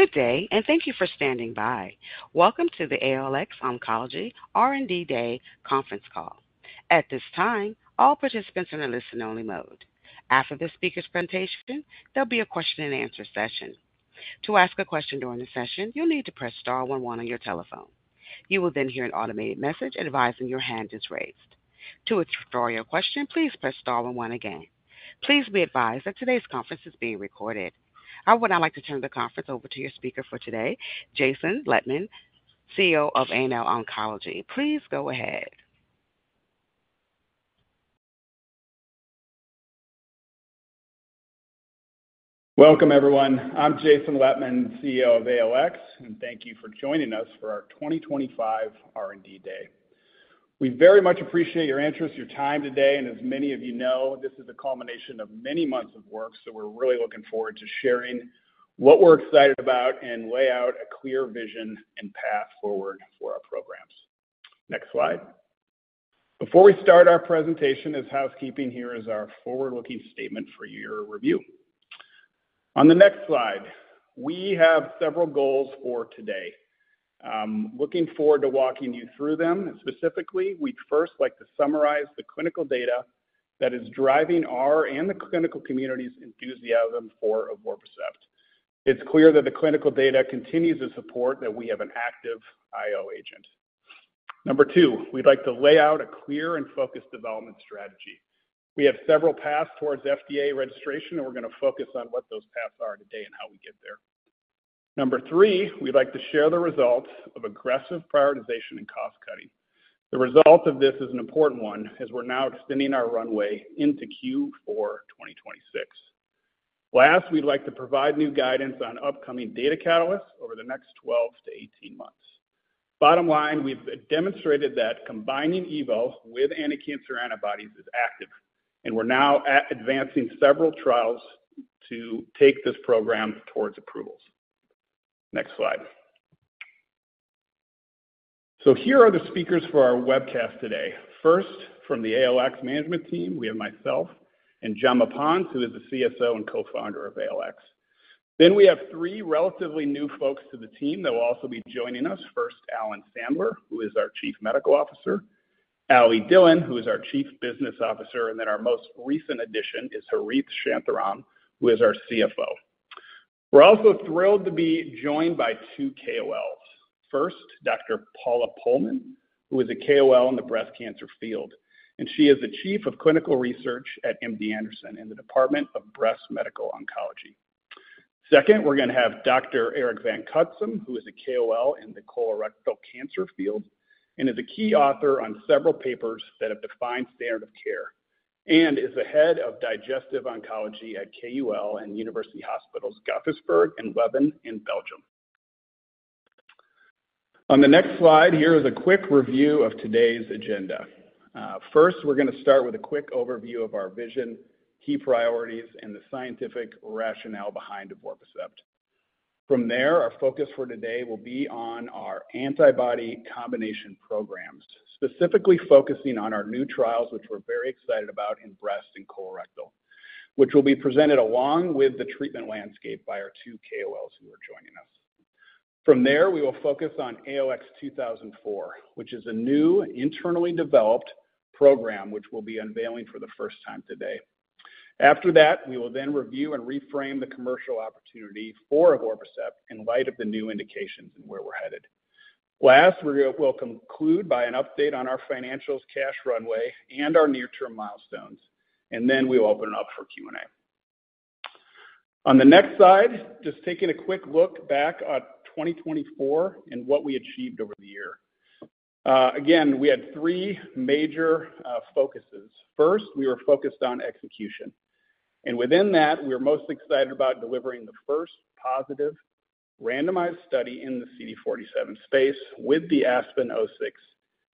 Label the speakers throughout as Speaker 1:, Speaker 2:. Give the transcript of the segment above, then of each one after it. Speaker 1: Good day, and thank you for standing by. Welcome to the ALX Oncology R&D Day conference call. At this time, all participants are in listen-only mode. After the speaker's presentation, there'll be a question-and-answer session. To ask a question during the session, you'll need to press star 11 on your telephone. You will then hear an automated message advising your hand is raised. To explore your question, please press star 11 again. Please be advised that today's conference is being recorded. I would now like to turn the conference over to your speaker for today, Jason Lettmann, CEO of ALX Oncology. Please go ahead.
Speaker 2: Welcome, everyone. I'm Jason Lettmann, CEO of ALX, and thank you for joining us for our 2025 R&D Day. We very much appreciate your interest, your time today, and as many of you know, this is the culmination of many months of work, so we're really looking forward to sharing what we're excited about and lay out a clear vision and path forward for our programs. Next slide. Before we start our presentation as housekeeping, here is our forward-looking statement for your review. On the next slide, we have several goals for today. I'm looking forward to walking you through them. Specifically, we'd first like to summarize the clinical data that is driving our and the clinical community's enthusiasm for evorpacept. It's clear that the clinical data continues to support that we have an active IO agent. Number two, we'd like to lay out a clear and focused development strategy. We have several paths towards FDA registration, and we're going to focus on what those paths are today and how we get there. Number three, we'd like to share the results of aggressive prioritization and cost cutting. The result of this is an important one as we're now extending our runway into Q4 2026. Last, we'd like to provide new guidance on upcoming data catalysts over the next 12 to 18 months. Bottom line, we've demonstrated that combining Evo with anticancer antibodies is active, and we're now advancing several trials to take this program towards approvals. Next slide. Here are the speakers for our webcast today. First, from the ALX management team, we have myself and Jaume Pons, who is the CSO and co-founder of ALX. We have three relatively new folks to the team that will also be joining us. First, Alan Sandler, who is our Chief Medical Officer; Alli Dillon, who is our Chief Business Officer; and then our most recent addition is Harish Shantharam, who is our CFO. We're also thrilled to be joined by two KOLs. First, Dr. Paula Pohlmann, who is a KOL in the breast cancer field, and she is the Chief of Clinical Research at MD Anderson in the Department of Breast Medical Oncology. Second, we're going to have Dr. Eric Van Cutsem, who is a KOL in the colorectal cancer field and is a key author on several papers that have defined standard of care and is the head of Digestive Oncology at KU Leuven and University Hospitals Gasthuisberg and Leuven in Belgium. On the next slide, here is a quick review of today's agenda. First, we're going to start with a quick overview of our vision, key priorities, and the scientific rationale behind evorpacept. From there, our focus for today will be on our antibody combination programs, specifically focusing on our new trials, which we're very excited about in breast and colorectal, which will be presented along with the treatment landscape by our two KOLs who are joining us. From there, we will focus on ALX 2004, which is a new internally developed program, which we'll be unveiling for the first time today. After that, we will then review and reframe the commercial opportunity for evorpacept in light of the new indications and where we're headed. Last, we'll conclude by an update on our financials, cash runway, and our near-term milestones, and then we'll open it up for Q&A. On the next slide, just taking a quick look back at 2024 and what we achieved over the year. Again, we had three major focuses. First, we were focused on execution, and within that, we were most excited about delivering the first positive randomized study in the CD47 space with the Aspen-06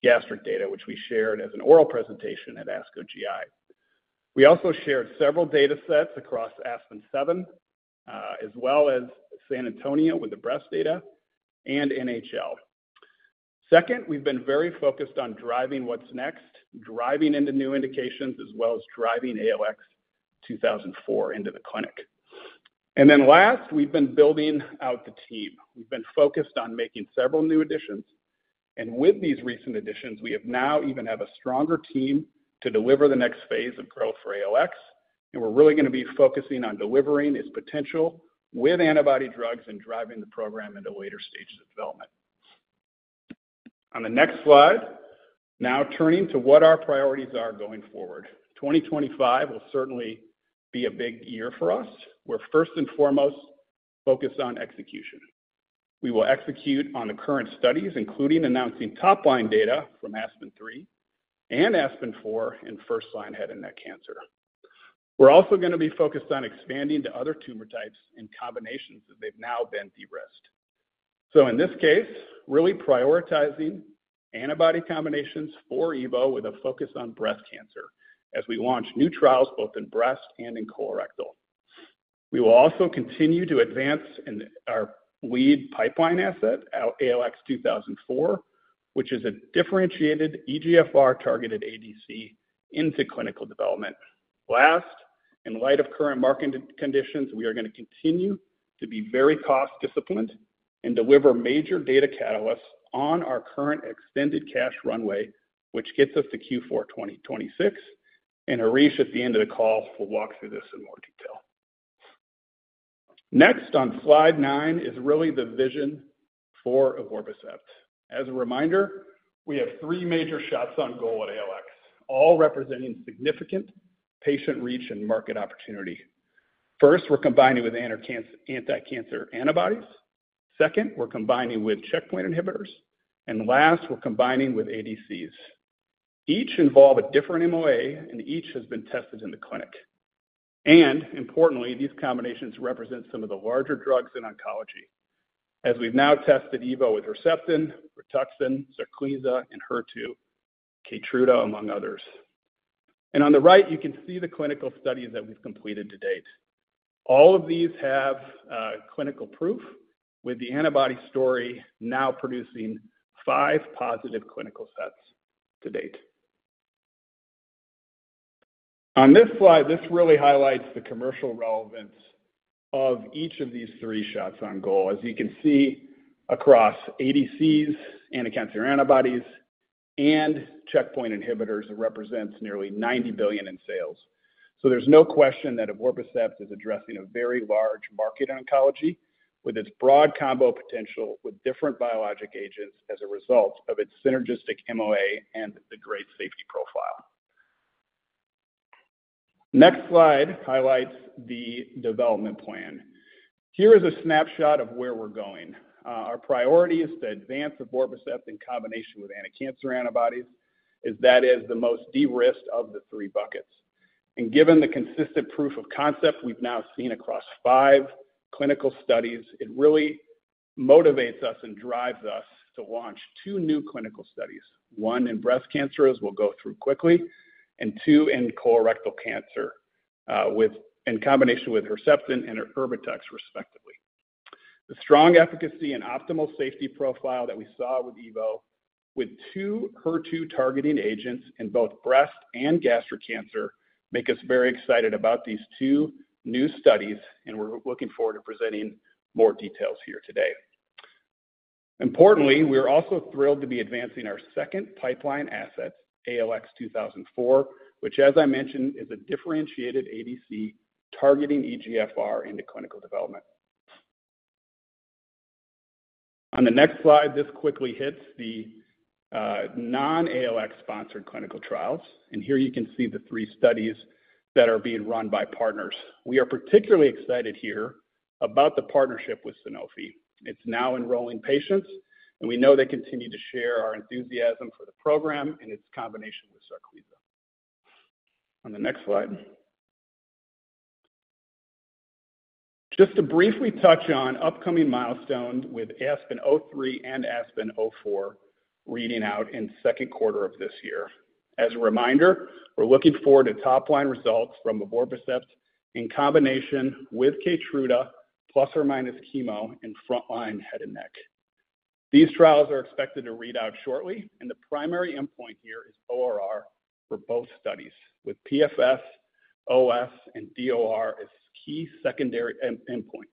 Speaker 2: gastric data, which we shared as an oral presentation at ASCO GI. We also shared several data sets across Aspen-07, as well as San Antonio with the breast data and NHL. Second, we've been very focused on driving what's next, driving into new indications, as well as driving ALX 2004 into the clinic. Last, we've been building out the team. We've been focused on making several new additions, and with these recent additions, we now even have a stronger team to deliver the next phase of growth for ALX, and we're really going to be focusing on delivering its potential with antibody drugs and driving the program into later stages of development. On the next slide, now turning to what our priorities are going forward. 2025 will certainly be a big year for us. We're first and foremost focused on execution. We will execute on the current studies, including announcing top-line data from Aspen-03 and Aspen-04 in first-line head and neck cancer. We're also going to be focused on expanding to other tumor types and combinations that they've now been de-risked. In this case, really prioritizing antibody combinations for Evo with a focus on breast cancer as we launch new trials both in breast and in colorectal. We will also continue to advance our lead pipeline asset, ALX 2004, which is a differentiated EGFR-targeted ADC into clinical development. Last, in light of current market conditions, we are going to continue to be very cost-disciplined and deliver major data catalysts on our current extended cash runway, which gets us to Q4 2026, and Harish at the end of the call will walk through this in more detail. Next on slide nine is really the vision for evorpacept. As a reminder, we have three major shots on goal at ALX, all representing significant patient reach and market opportunity. First, we're combining with anti-cancer antibodies. Second, we're combining with checkpoint inhibitors. Last, we're combining with ADCs. Each involves a different MOA, and each has been tested in the clinic. Importantly, these combinations represent some of the larger drugs in oncology, as we've now tested Evo with Herceptin, Rituxan, Sarclisa, and HER2, Keytruda, among others. On the right, you can see the clinical studies that we've completed to date. All of these have clinical proof, with the antibody story now producing five positive clinical sets to date. This slide really highlights the commercial relevance of each of these three shots on goal. As you can see, across ADCs, anti-cancer antibodies, and checkpoint inhibitors, it represents nearly $90 billion in sales. There is no question that evorpacept is addressing a very large market in oncology with its broad combo potential with different biologic agents as a result of its synergistic MOA and the great safety profile. The next slide highlights the development plan. Here is a snapshot of where we're going. Our priority is to advance evorpacept in combination with anti-cancer antibodies, as that is the most de-risked of the three buckets. Given the consistent proof of concept we've now seen across five clinical studies, it really motivates us and drives us to launch two new clinical studies. One in breast cancer, as we'll go through quickly, and two in colorectal cancer, in combination with Herceptin and Erbitux, respectively. The strong efficacy and optimal safety profile that we saw with Evo, with two HER2-targeting agents in both breast and gastric cancer, makes us very excited about these two new studies, and we're looking forward to presenting more details here today. Importantly, we are also thrilled to be advancing our second pipeline asset, ALX 2004, which, as I mentioned, is a differentiated ADC targeting EGFR into clinical development. On the next slide, this quickly hits the non-ALX-sponsored clinical trials, and here you can see the three studies that are being run by partners. We are particularly excited here about the partnership with Sanofi. It's now enrolling patients, and we know they continue to share our enthusiasm for the program and its combination with Sarclisa. On the next slide, just to briefly touch on upcoming milestones with Aspen-03 and Aspen-04 reading out in the second quarter of this year. As a reminder, we're looking forward to top-line results from evorpacept in combination with Keytruda, plus or minus chemo in front-line head and neck. These trials are expected to read out shortly, and the primary endpoint here is ORR for both studies, with PFS, OS, and DOR as key secondary endpoints.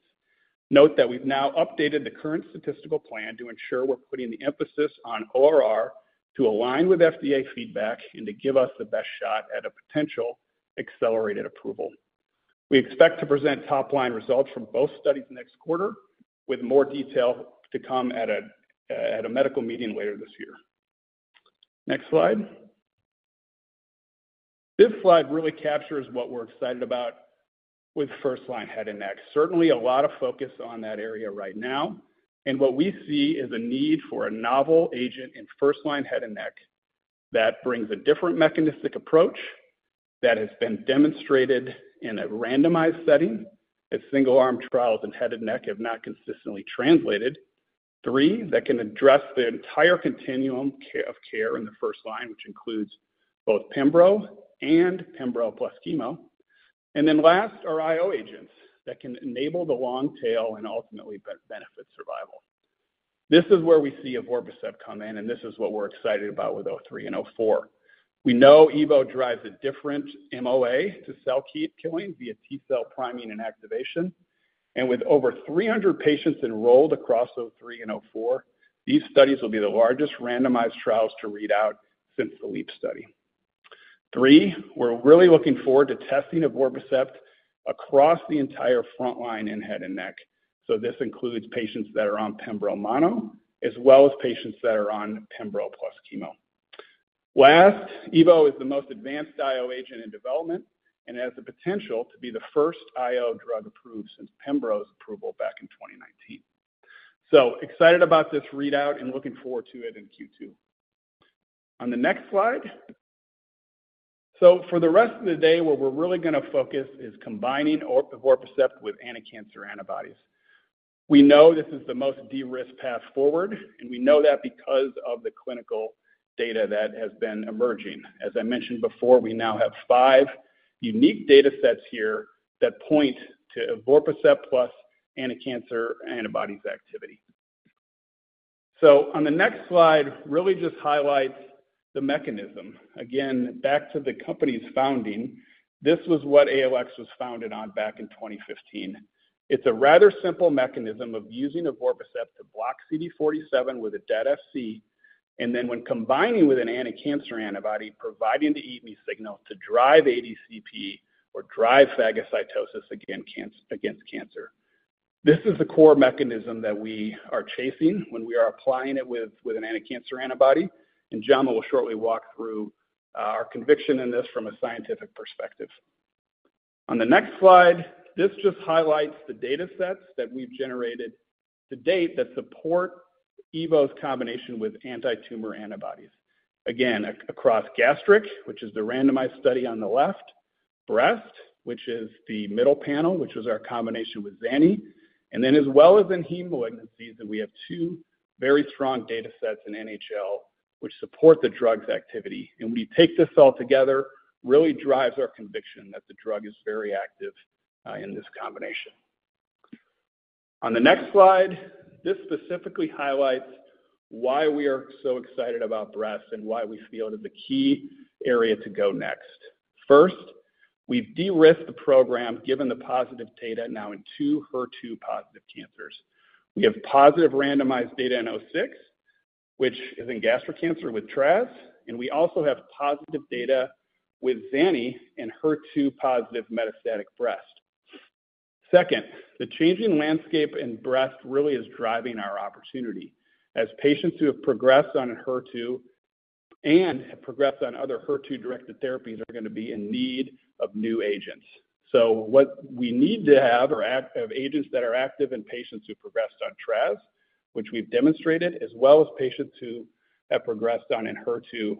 Speaker 2: Note that we've now updated the current statistical plan to ensure we're putting the emphasis on ORR to align with FDA feedback and to give us the best shot at a potential accelerated approval. We expect to present top-line results from both studies next quarter, with more detail to come at a medical meeting later this year. Next slide. This slide really captures what we're excited about with first-line head and neck. Certainly, a lot of focus on that area right now, and what we see is a need for a novel agent in first-line head and neck that brings a different mechanistic approach that has been demonstrated in a randomized setting, as single-arm trials in head and neck have not consistently translated, three that can address the entire continuum of care in the first line, which includes both pembro and pembro plus chemo, and then last, our IO agents that can enable the long tail and ultimately benefit survival. This is where we see evorpacept come in, and this is what we're excited about with 03 and 04. We know Evo drives a different MOA to cell keep killing via T-cell priming and activation, and with over 300 patients enrolled across 03 and 04, these studies will be the largest randomized trials to read out since the LEEP study. Three, we're really looking forward to testing evorpacept across the entire front-line in head and neck, so this includes patients that are on pembro mono as well as patients that are on pembro plus chemo. Last, Evo is the most advanced IO agent in development and has the potential to be the first IO drug approved since pembro's approval back in 2019. Excited about this readout and looking forward to it in Q2. On the next slide. For the rest of the day, what we're really going to focus on is combining evorpacept with anti-cancer antibodies. We know this is the most de-risked path forward, and we know that because of the clinical data that has been emerging. As I mentioned before, we now have five unique data sets here that point to evorpacept plus anti-cancer antibodies activity. On the next slide, really just highlights the mechanism. Again, back to the company's founding, this was what ALX was founded on back in 2015. It's a rather simple mechanism of using evorpacept to block CD47 with a dead Fc, and then when combining with an anti-cancer antibody, providing the EME signal to drive ADCP or drive phagocytosis against cancer. This is the core mechanism that we are chasing when we are applying it with an anti-cancer antibody, and John will shortly walk through our conviction in this from a scientific perspective. On the next slide, this just highlights the data sets that we've generated to date that support Evo's combination with anti-tumor antibodies. Again, across gastric, which is the randomized study on the left, breast, which is the middle panel, which was our combination with Zanny, as well as in heme malignancies, we have two very strong data sets in NHL, which support the drug's activity. When you take this all together, it really drives our conviction that the drug is very active in this combination. On the next slide, this specifically highlights why we are so excited about breast and why we feel it is a key area to go next. First, we've de-risked the program given the positive data now in two HER2 positive cancers. We have positive randomized data in 06, which is in gastric cancer with TRAS, and we also have positive data with Zanny in HER2 positive metastatic breast. Second, the changing landscape in breast really is driving our opportunity as patients who have progressed on HER2 and have progressed on other HER2-directed therapies are going to be in need of new agents. What we need to have are agents that are active in patients who progressed on TRAS, which we've demonstrated, as well as patients who have progressed on HER2,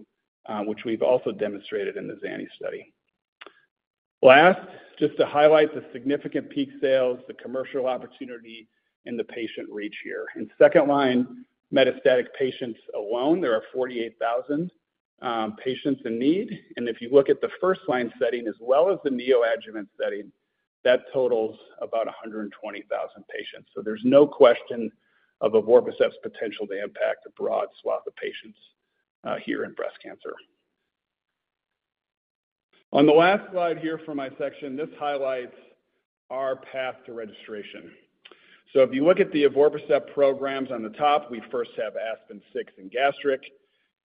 Speaker 2: which we've also demonstrated in the Zanny study. Last, just to highlight the significant peak sales, the commercial opportunity, and the patient reach here. In second-line metastatic patients alone, there are 48,000 patients in need, and if you look at the first-line setting as well as the neoadjuvant setting, that totals about 120,000 patients. There is no question of evorpacept's potential to impact a broad swath of patients here in breast cancer. On the last slide here for my section, this highlights our path to registration. If you look at the evorpacept programs on the top, we first have Aspen-06 in gastric.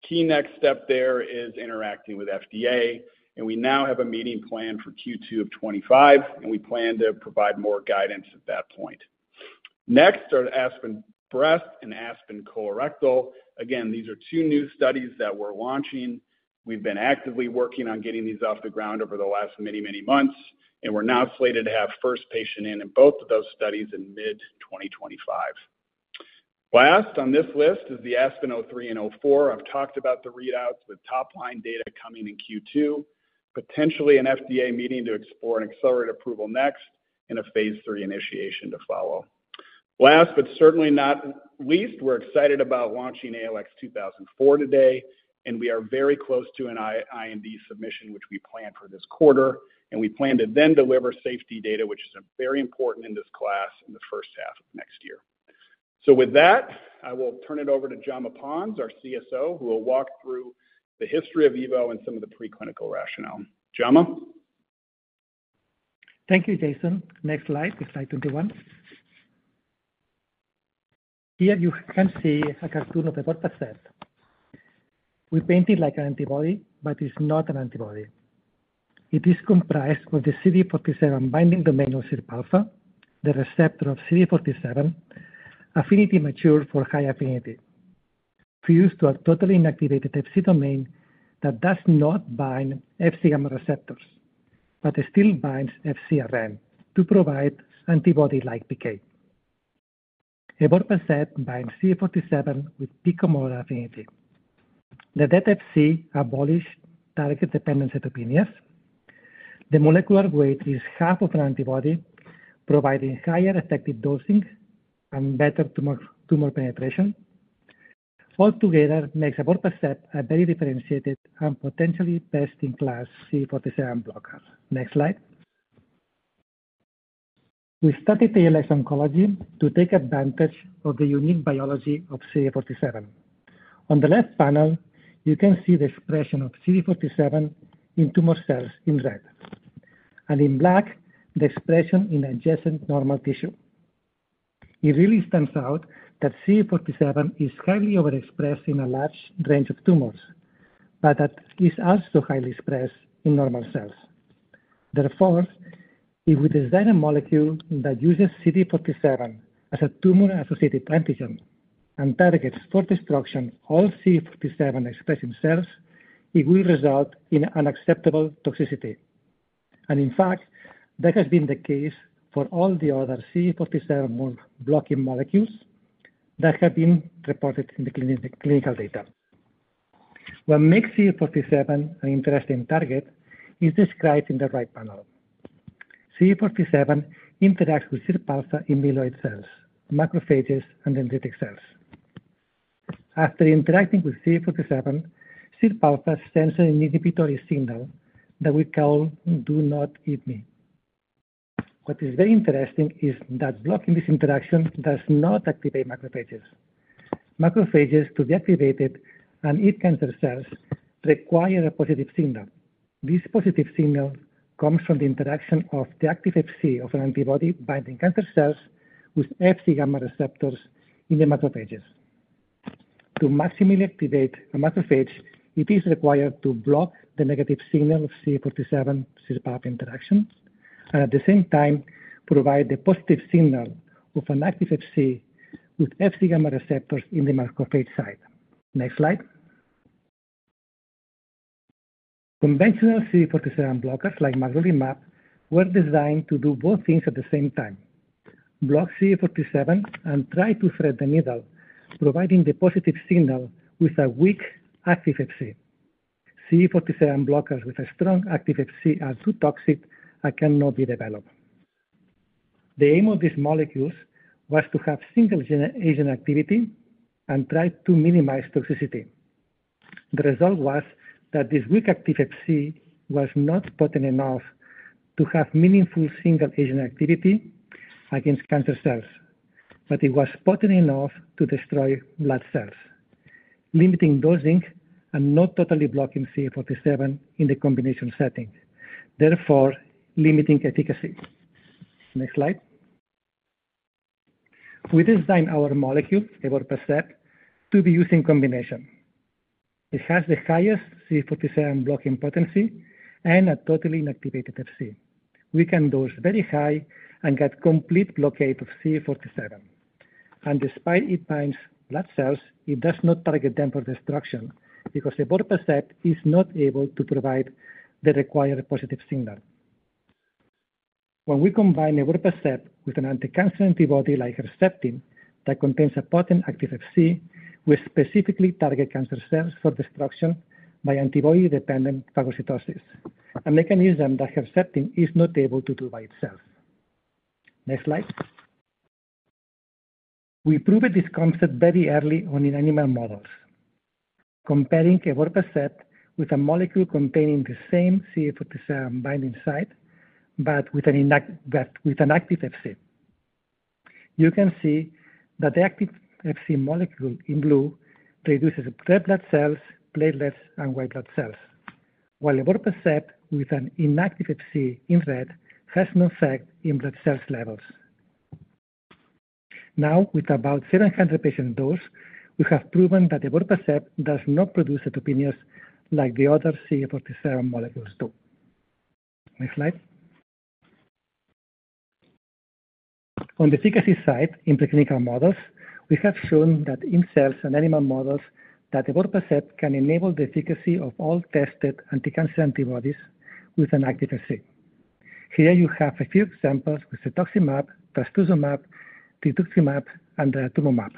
Speaker 2: Key next step there is interacting with FDA, and we now have a meeting planned for Q2 of 2025, and we plan to provide more guidance at that point. Next are Aspen Breast and Aspen Colorectal. Again, these are two new studies that we're launching. We've been actively working on getting these off the ground over the last many, many months, and we're now slated to have first patient in both of those studies in mid-2025. Last on this list is the Aspen-03 and -04. I've talked about the readouts with top-line data coming in Q2, potentially an FDA meeting to explore an accelerated approval next and a phase three initiation to follow. Last, but certainly not least, we're excited about launching ALX 2004 today, and we are very close to an IND submission, which we plan for this quarter, and we plan to then deliver safety data, which is very important in this class in the first half of next year. With that, I will turn it over to Jaume Pons, our CSO, who will walk through the history of Evo and some of the preclinical rationale. Jaume Pons.
Speaker 3: Thank you, Jason. Next slide, slide 21. Here you can see a cartoon of evorpacept. We paint it like an antibody, but it's not an antibody. It is comprised of the CD47 binding domain of SIRPα, the receptor of CD47, affinity mature for high affinity, fused to a totally inactivated FC domain that does not bind FC gamma receptors, but still binds FC RN to provide antibody-like decay. Evorpacept binds CD47 with peak combinatorial affinity. The dead Fc abolishes target-dependent cytopenias. The molecular weight is half of an antibody, providing higher effective dosing and better tumor penetration. Altogether, it makes evorpacept a very differentiated and potentially best-in-class CD47 blocker. Next slide. We started ALX Oncology to take advantage of the unique biology of CD47. On the left panel, you can see the expression of CD47 in tumor cells in red, and in black, the expression in adjacent normal tissue. It really stands out that CD47 is highly overexpressed in a large range of tumors, but that it is also highly expressed in normal cells. Therefore, if we design a molecule that uses CD47 as a tumor-associated antigen and targets for destruction all CD47-expressing cells, it will result in unacceptable toxicity. In fact, that has been the case for all the other CD47 blocking molecules that have been reported in the clinical data. What makes CD47 an interesting target is described in the right panel. CD47 interacts with SIRPα in immune cells, macrophages, and dendritic cells. After interacting with CD47, SIRPα sends an inhibitory signal that we call "do not eat me." What is very interesting is that blocking this interaction does not activate macrophages. Macrophages, to be activated and eat cancer cells, require a positive signal. This positive signal comes from the interaction of the active Fc of an antibody binding cancer cells with Fc gamma receptors in the macrophages. To maximally activate a macrophage, it is required to block the negative signal of CD47-SIRPα interaction and at the same time provide the positive signal of an active Fc with Fc gamma receptors in the macrophage site. Next slide. Conventional CD47 blockers like magrolimab were designed to do both things at the same time: block CD47 and try to thread the needle, providing the positive signal with a weak active Fc. CD47 blockers with a strong active Fc are too toxic and cannot be developed. The aim of these molecules was to have single-agent activity and try to minimize toxicity. The result was that this weak active Fc was not potent enough to have meaningful single-agent activity against cancer cells, but it was potent enough to destroy blood cells, limiting dosing and not totally blocking CD47 in the combination setting, therefore limiting efficacy. Next slide. We designed our molecule, evorpacept, to be used in combination. It has the highest CD47 blocking potency and a totally inactivated Fc. We can dose very high and get complete blockade of CD47. Despite it binding blood cells, it does not target them for destruction because evorpacept is not able to provide the required positive signal. When we combine evorpacept with an anti-cancer antibody like Herceptin that contains a potent active Fc, we specifically target cancer cells for destruction by antibody-dependent phagocytosis, a mechanism that Herceptin is not able to do by itself. Next slide. We proved this concept very early on in animal models, comparing evorpacept with a molecule containing the same CD47 binding site, but with an active Fc. You can see that the active Fc molecule in blue produces red blood cells, platelets, and white blood cells, while evorpacept with an inactive Fc in red has no effect in blood cell levels. Now, with about 700 patient doses, we have proven that evorpacept does not produce cytopenias like the other CD47 molecules do. Next slide. On the efficacy side in preclinical models, we have shown that in cells and animal models that evorpacept can enable the efficacy of all tested anti-cancer antibodies with an active Fc. Here you have a few examples with cetuximab, trastuzumab, daratumumab, and tomumab.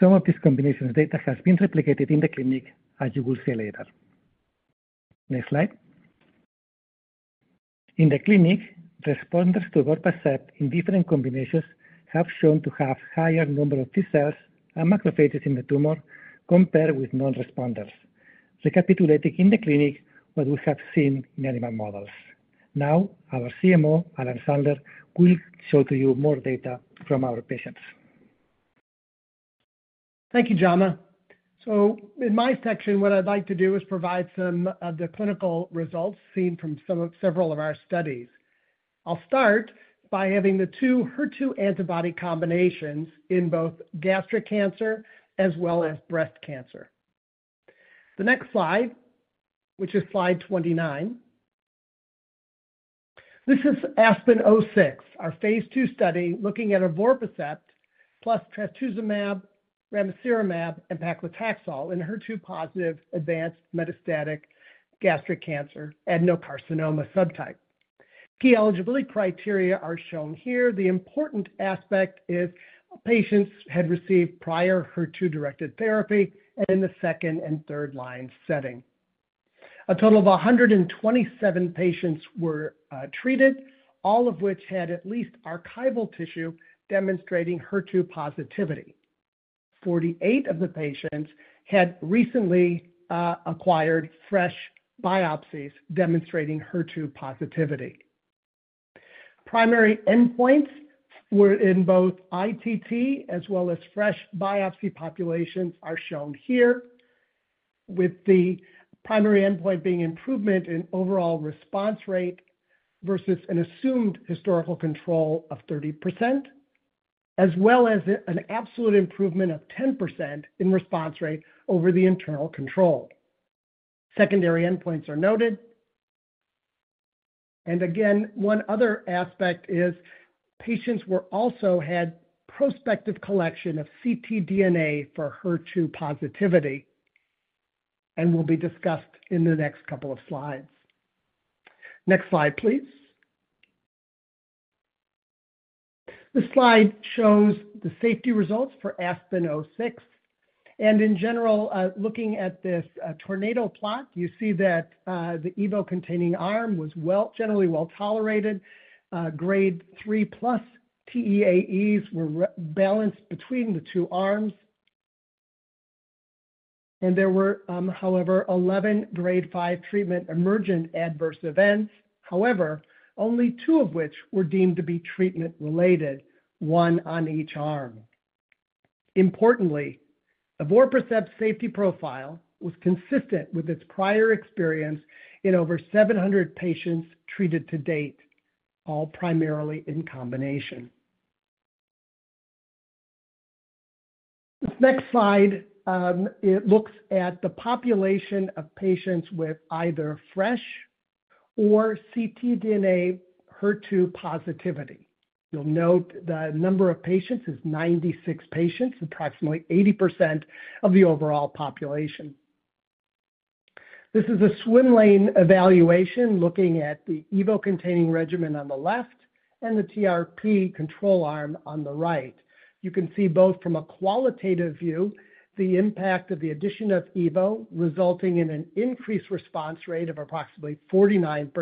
Speaker 3: Some of these combination data have been replicated in the clinic, as you will see later. Next slide. In the clinic, responders to evorpacept in different combinations have shown to have a higher number of T cells and macrophages in the tumor compared with non-responders, recapitulating in the clinic what we have seen in animal models. Now, our CMO, Alan Sandler, will show you more data from our patients.
Speaker 4: Thank you, John. In my section, what I'd like to do is provide some of the clinical results seen from several of our studies. I'll start by having the two HER2 antibody combinations in both gastric cancer as well as breast cancer. The next slide, which is slide 29. This is Aspen-06, our phase two study looking at evorpacept plus trastuzumab, ramucirumab, and paclitaxel in HER2-positive advanced metastatic gastric cancer adenocarcinoma subtype. Key eligibility criteria are shown here. The important aspect is patients had received prior HER2-directed therapy in the second and third-line setting. A total of 127 patients were treated, all of which had at least archival tissue demonstrating HER2 positivity. Forty-eight of the patients had recently acquired fresh biopsies demonstrating HER2 positivity. Primary endpoints were in both ITT as well as fresh biopsy populations are shown here, with the primary endpoint being improvement in overall response rate versus an assumed historical control of 30%, as well as an absolute improvement of 10% in response rate over the internal control. Secondary endpoints are noted. One other aspect is patients also had prospective collection of ctDNA for HER2 positivity, and will be discussed in the next couple of slides. Next slide, please. This slide shows the safety results for Aspen-06. In general, looking at this tornado plot, you see that the Evo-containing arm was generally well tolerated. Grade 3 plus TEAEs were balanced between the two arms. There were, however, 11 grade 5 treatment-emergent adverse events, however, only two of which were deemed to be treatment-related, one on each arm. Importantly, evorpacept's safety profile was consistent with its prior experience in over 700 patients treated to date, all primarily in combination. This next slide, it looks at the population of patients with either fresh or ctDNA HER2 positivity. You'll note the number of patients is 96 patients, approximately 80% of the overall population. This is a swim lane evaluation looking at the Evo-containing regimen on the left and the TRP control arm on the right. You can see both from a qualitative view the impact of the addition of Evo, resulting in an increased response rate of approximately 49%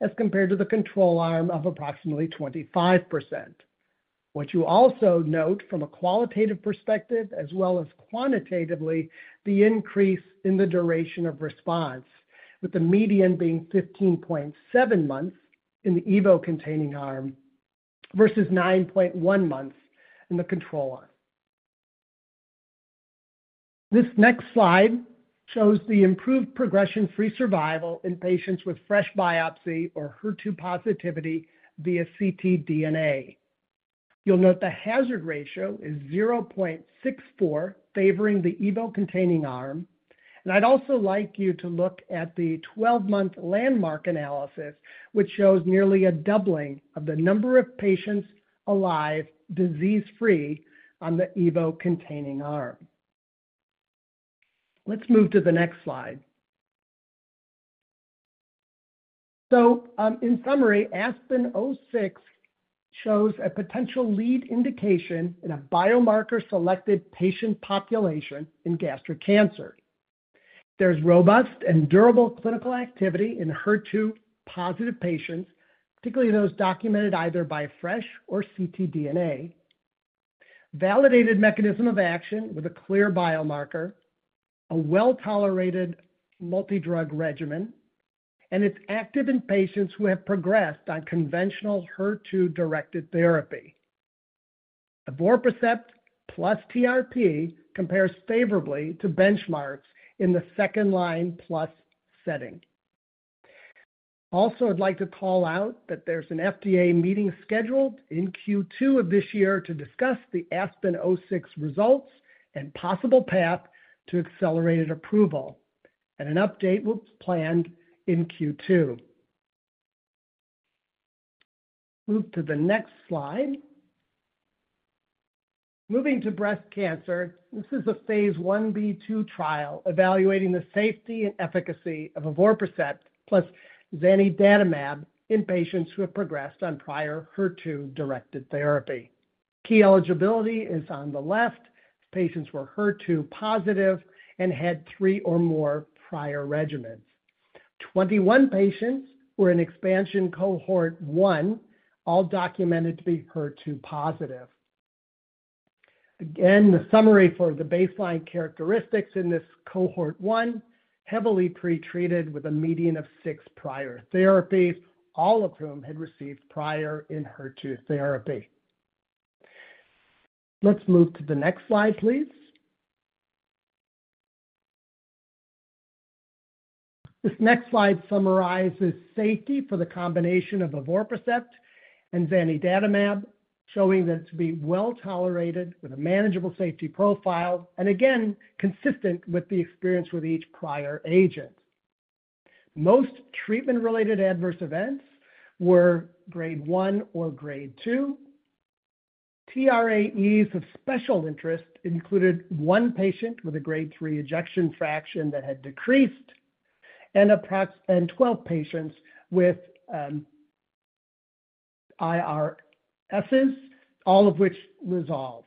Speaker 4: as compared to the control arm of approximately 25%. What you also note from a qualitative perspective as well as quantitatively, the increase in the duration of response, with the median being 15.7 months in the Evo-containing arm versus 9.1 months in the control arm. This next slide shows the improved progression-free survival in patients with fresh biopsy or HER2 positivity via ctDNA. You'll note the hazard ratio is 0.64, favoring the Evo-containing arm. I'd also like you to look at the 12-month landmark analysis, which shows nearly a doubling of the number of patients alive disease-free on the Evo-containing arm. Let's move to the next slide. In summary, Aspen-06 shows a potential lead indication in a biomarker-selected patient population in gastric cancer. There's robust and durable clinical activity in HER2-positive patients, particularly those documented either by fresh or ctDNA, validated mechanism of action with a clear biomarker, a well-tolerated multidrug regimen, and it's active in patients who have progressed on conventional HER2-directed therapy. Evorpacept plus TRP compares favorably to benchmarks in the second-line plus setting. Also, I'd like to call out that there's an FDA meeting scheduled in Q2 of this year to discuss the ASPEN-06 results and possible path to accelerated approval, and an update was planned in Q2. Move to the next slide. Moving to breast cancer, this is a phase 1b/2 trial evaluating the safety and efficacy of evorpacept plus zanidatamab in patients who have progressed on prior HER2-directed therapy. Key eligibility is on the left. Patients were HER2 positive and had three or more prior regimens. Twenty-one patients were in expansion cohort 1, all documented to be HER2 positive. Again, the summary for the baseline characteristics in this cohort 1, heavily pretreated with a median of six prior therapies, all of whom had received prior HER2 therapy. Let's move to the next slide, please. This next slide summarizes safety for the combination of evorpacept and zanidatamab, showing that it is well tolerated with a manageable safety profile and again, consistent with the experience with each prior agent. Most treatment-related adverse events were grade 1 or grade 2. TRAEs of special interest included one patient with a grade 3 ejection fraction that had decreased and 12 patients with IRRs, all of which resolved.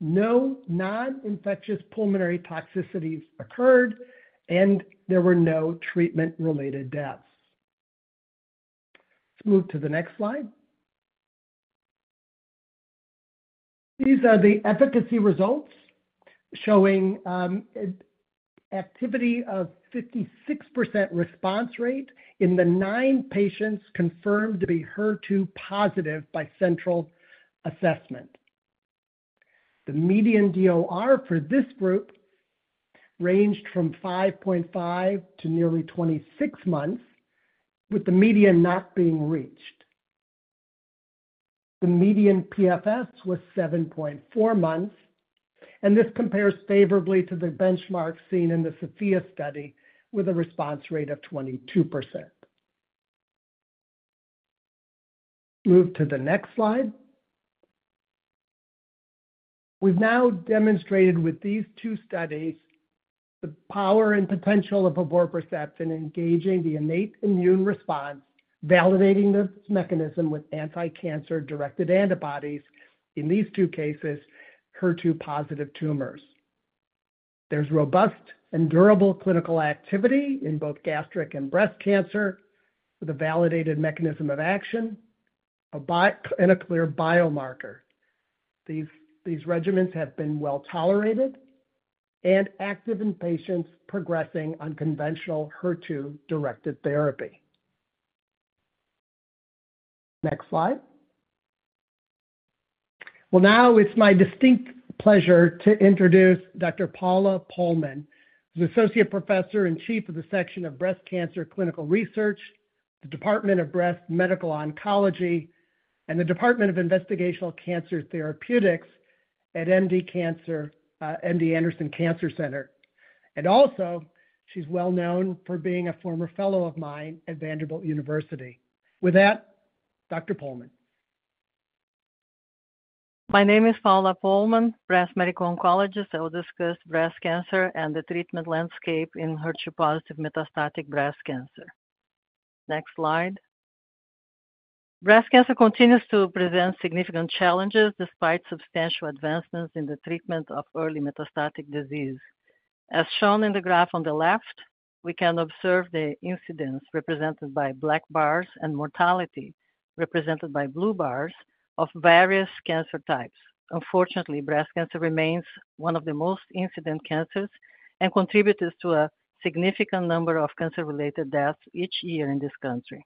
Speaker 4: No non-infectious pulmonary toxicities occurred, and there were no treatment-related deaths. Let's move to the next slide. These are the efficacy results, showing activity of 56% response rate in the nine patients confirmed to be HER2 positive by central assessment. The median DOR for this group ranged from 5.5 to nearly 26 months, with the median not being reached. The median PFS was 7.4 months, and this compares favorably to the benchmark seen in the Sophia study with a response rate of 22%. Move to the next slide. We have now demonstrated with these two studies the power and potential of evorpacept in engaging the innate immune response, validating this mechanism with anti-cancer-directed antibodies in these two cases, HER2-positive tumors. There is robust and durable clinical activity in both gastric and breast cancer with a validated mechanism of action and a clear biomarker. These regimens have been well tolerated and active in patients progressing on conventional HER2-directed therapy. Next slide. It is now my distinct pleasure to introduce Dr. Paula Pohlmann, who's Associate Professor and Chief of the Section of Breast Cancer Clinical Research, the Department of Breast Medical Oncology, and the Department of Investigational Cancer Therapeutics at MD Anderson Cancer Center. She is well known for being a former fellow of mine at Vanderbilt University. With that, Dr. Pohlmann.
Speaker 5: My name is Paula Pohlmann, breast medical oncologist. I will discuss breast cancer and the treatment landscape in HER2-positive metastatic breast cancer. Next slide. Breast cancer continues to present significant challenges despite substantial advancements in the treatment of early metastatic disease. As shown in the graph on the left, we can observe the incidence represented by black bars and mortality represented by blue bars of various cancer types. Unfortunately, breast cancer remains one of the most incident cancers and contributes to a significant number of cancer-related deaths each year in this country.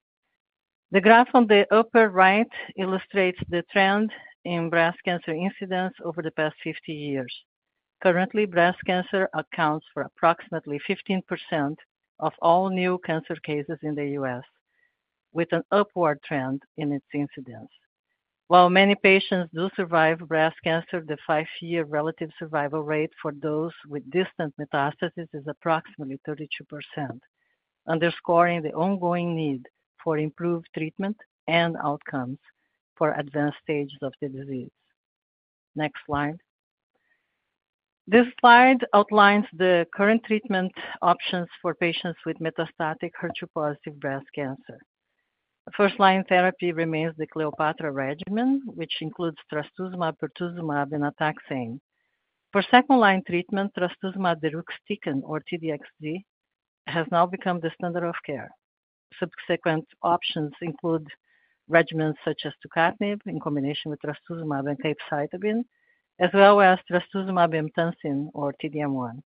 Speaker 5: The graph on the upper right illustrates the trend in breast cancer incidence over the past 50 years. Currently, breast cancer accounts for approximately 15% of all new cancer cases in the US, with an upward trend in its incidence. While many patients do survive breast cancer, the five-year relative survival rate for those with distant metastasis is approximately 32%, underscoring the ongoing need for improved treatment and outcomes for advanced stages of the disease. Next slide. This slide outlines the current treatment options for patients with metastatic HER2-positive breast cancer. First-line therapy remains the Cleopatra regimen, which includes trastuzumab, pertuzumab, and a taxane. For second-line treatment, trastuzumab deruxtecan, or T-DXd, has now become the standard of care. Subsequent options include regimens such as tucatinib in combination with trastuzumab and capecitabine, as well as trastuzumab emtansine, or T-DM1.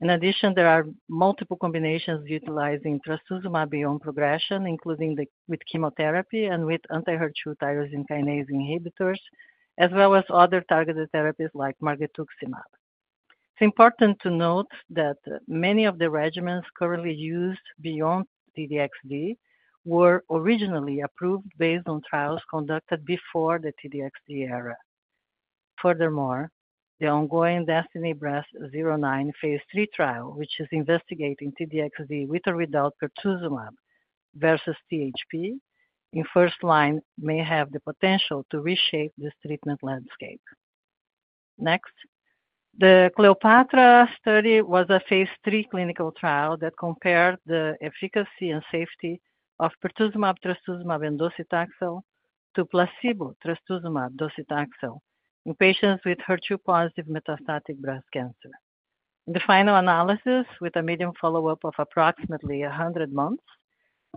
Speaker 5: In addition, there are multiple combinations utilizing trastuzumab beyond progression, including with chemotherapy and with anti-HER2 tyrosine kinase inhibitors, as well as other targeted therapies like margetuximab. It's important to note that many of the regimens currently used beyond T-DXd were originally approved based on trials conducted before the T-DXd era. Furthermore, the ongoing DESTINY-Breast09 phase three trial, which is investigating T-DXd with or without pertuzumab versus THP in first line, may have the potential to reshape this treatment landscape. Next, the CLEOPATRA study was a phase three clinical trial that compared the efficacy and safety of pertuzumab, trastuzumab, and docetaxel to placebo, trastuzumab, docetaxel in patients with HER2-positive metastatic breast cancer. In the final analysis, with a median follow-up of approximately 100 months,